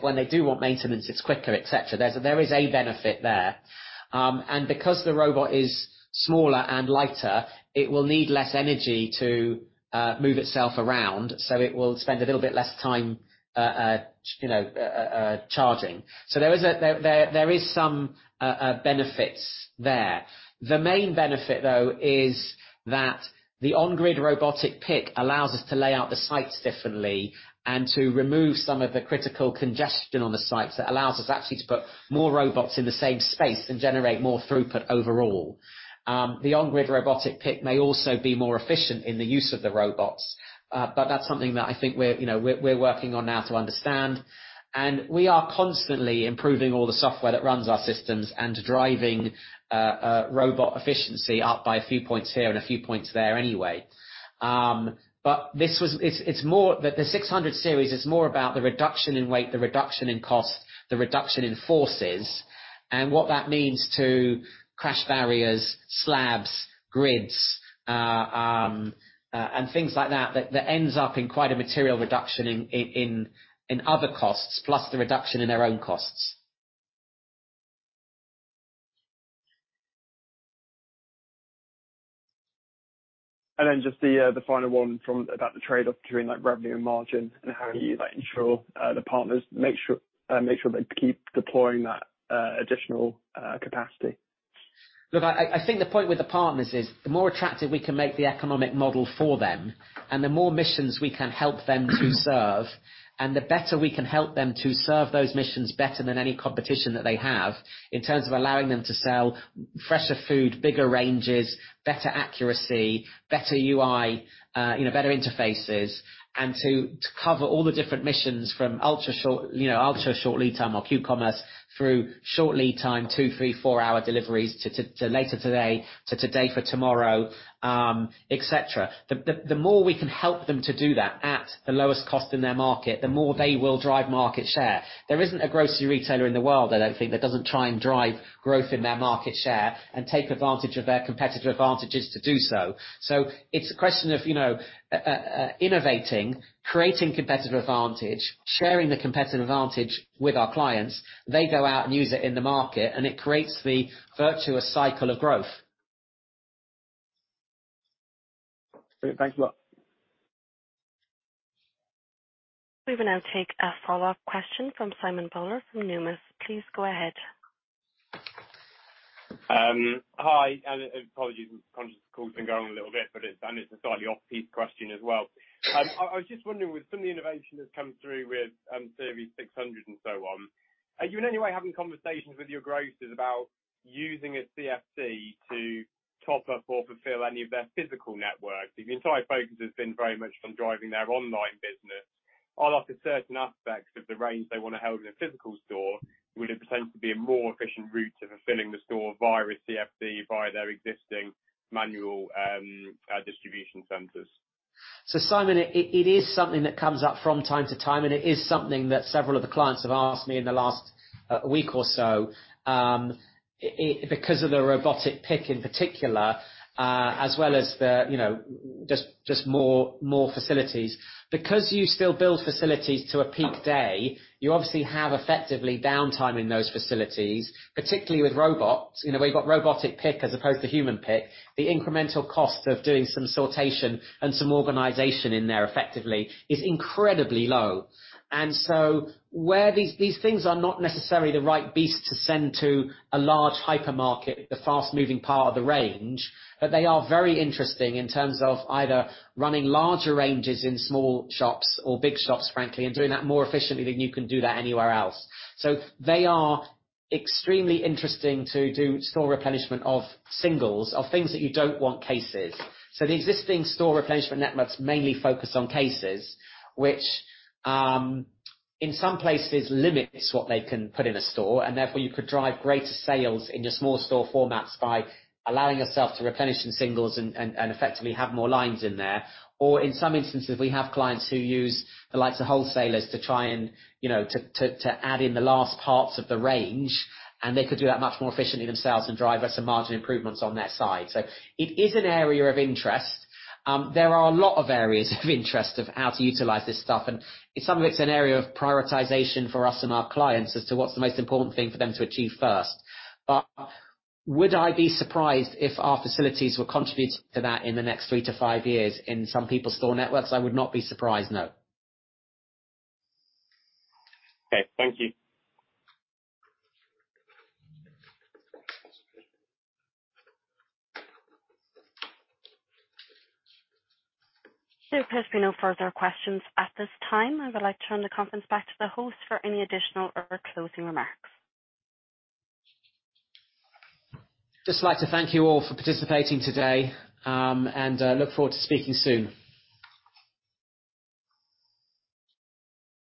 When they do want maintenance, it's quicker, et cetera. There is a benefit there. Because the robot is smaller and lighter, it will need less energy to move itself around, so it will spend a little bit less time, you know, charging. There is some benefits there. The main benefit, though, is that the On-Grid Robotic Pick allows us to lay out the sites differently and to remove some of the critical congestion on the sites that allows us actually to put more robots in the same space and generate more throughput overall. The On-Grid Robotic Pick may also be more efficient in the use of the robots. That's something that I think we're, you know, working on now to understand. We are constantly improving all the software that runs our systems and driving robot efficiency up by a few points here and a few points there anyway. It's more. The 600 Series is more about the reduction in weight, the reduction in cost, the reduction in forces, and what that means to crash barriers, slabs, grids, and things like that ends up in quite a material reduction in other costs, plus the reduction in our own costs. Then just the final one from about the trade-off between like revenue and margin and how you like ensure the partners make sure they keep deploying that additional capacity. Look, I think the point with the partners is the more attractive we can make the economic model for them and the more missions we can help them to serve and the better we can help them to serve those missions better than any competition that they have in terms of allowing them to sell fresher food, bigger ranges, better accuracy, better UI, you know, better interfaces, and to cover all the different missions from ultra short, you know, ultra short lead time or q-commerce through short lead time, two, three, four-hour deliveries to later today to today for tomorrow, et cetera. The more we can help them to do that at the lowest cost in their market, the more they will drive market share. There isn't a grocery retailer in the world, I don't think, that doesn't try and drive growth in their market share and take advantage of their competitive advantages to do so. It's a question of, you know, innovating, creating competitive advantage, sharing the competitive advantage with our clients. They go out and use it in the market, and it creates the virtuous cycle of growth. Great. Thank you. We will now take a follow-up question from Simon Bowler from Numis. Please go ahead. Hi, apologies. I'm conscious the call's been going a little bit, and it's a slightly off-piste question as well. I was just wondering, with some of the innovation that's come through with the 600 Series and so on, are you in any way having conversations with your grocers about using a CFC to top up or fulfill any of their physical networks? Your entire focus has been very much on driving their online business. Although for certain aspects of the range they wanna hold in a physical store, would it potentially be a more efficient route to fulfilling the store via a CFC via their existing manual distribution centers? Simon, it is something that comes up from time to time, and it is something that several of the clients have asked me in the last week or so, because of the robotic pick in particular, as well as, you know, just more facilities. Because you still build facilities to a peak day, you obviously have effectively downtime in those facilities, particularly with robots. You know, where you've got robotic pick as opposed to human pick, the incremental cost of doing some sortation and some organization in there effectively is incredibly low. Where these things are not necessarily the right beast to send to a large hypermarket, the fast-moving part of the range, but they are very interesting in terms of either running larger ranges in small shops or big shops, frankly, and doing that more efficiently than you can do that anywhere else. They are extremely interesting to do store replenishment of singles, of things that you don't want cases. The existing store replenishment networks mainly focus on cases which, in some places limits what they can put in a store, and therefore you could drive greater sales into small store formats by allowing yourself to replenish in singles and effectively have more lines in there. In some instances, we have clients who use the likes of wholesalers to try and, you know, to add in the last parts of the range, and they could do that much more efficiently themselves and drive some margin improvements on their side. It is an area of interest. There are a lot of areas of interest of how to utilize this stuff, and some of it's an area of prioritization for us and our clients as to what's the most important thing for them to achieve first. Would I be surprised if our facilities were contributing to that in the next three to five years in some people's store networks? I would not be surprised, no. Okay. Thank you. There appears to be no further questions at this time. I would like to turn the conference back to the host for any additional or closing remarks. just like to thank you all for participating today, and look forward to speaking soon.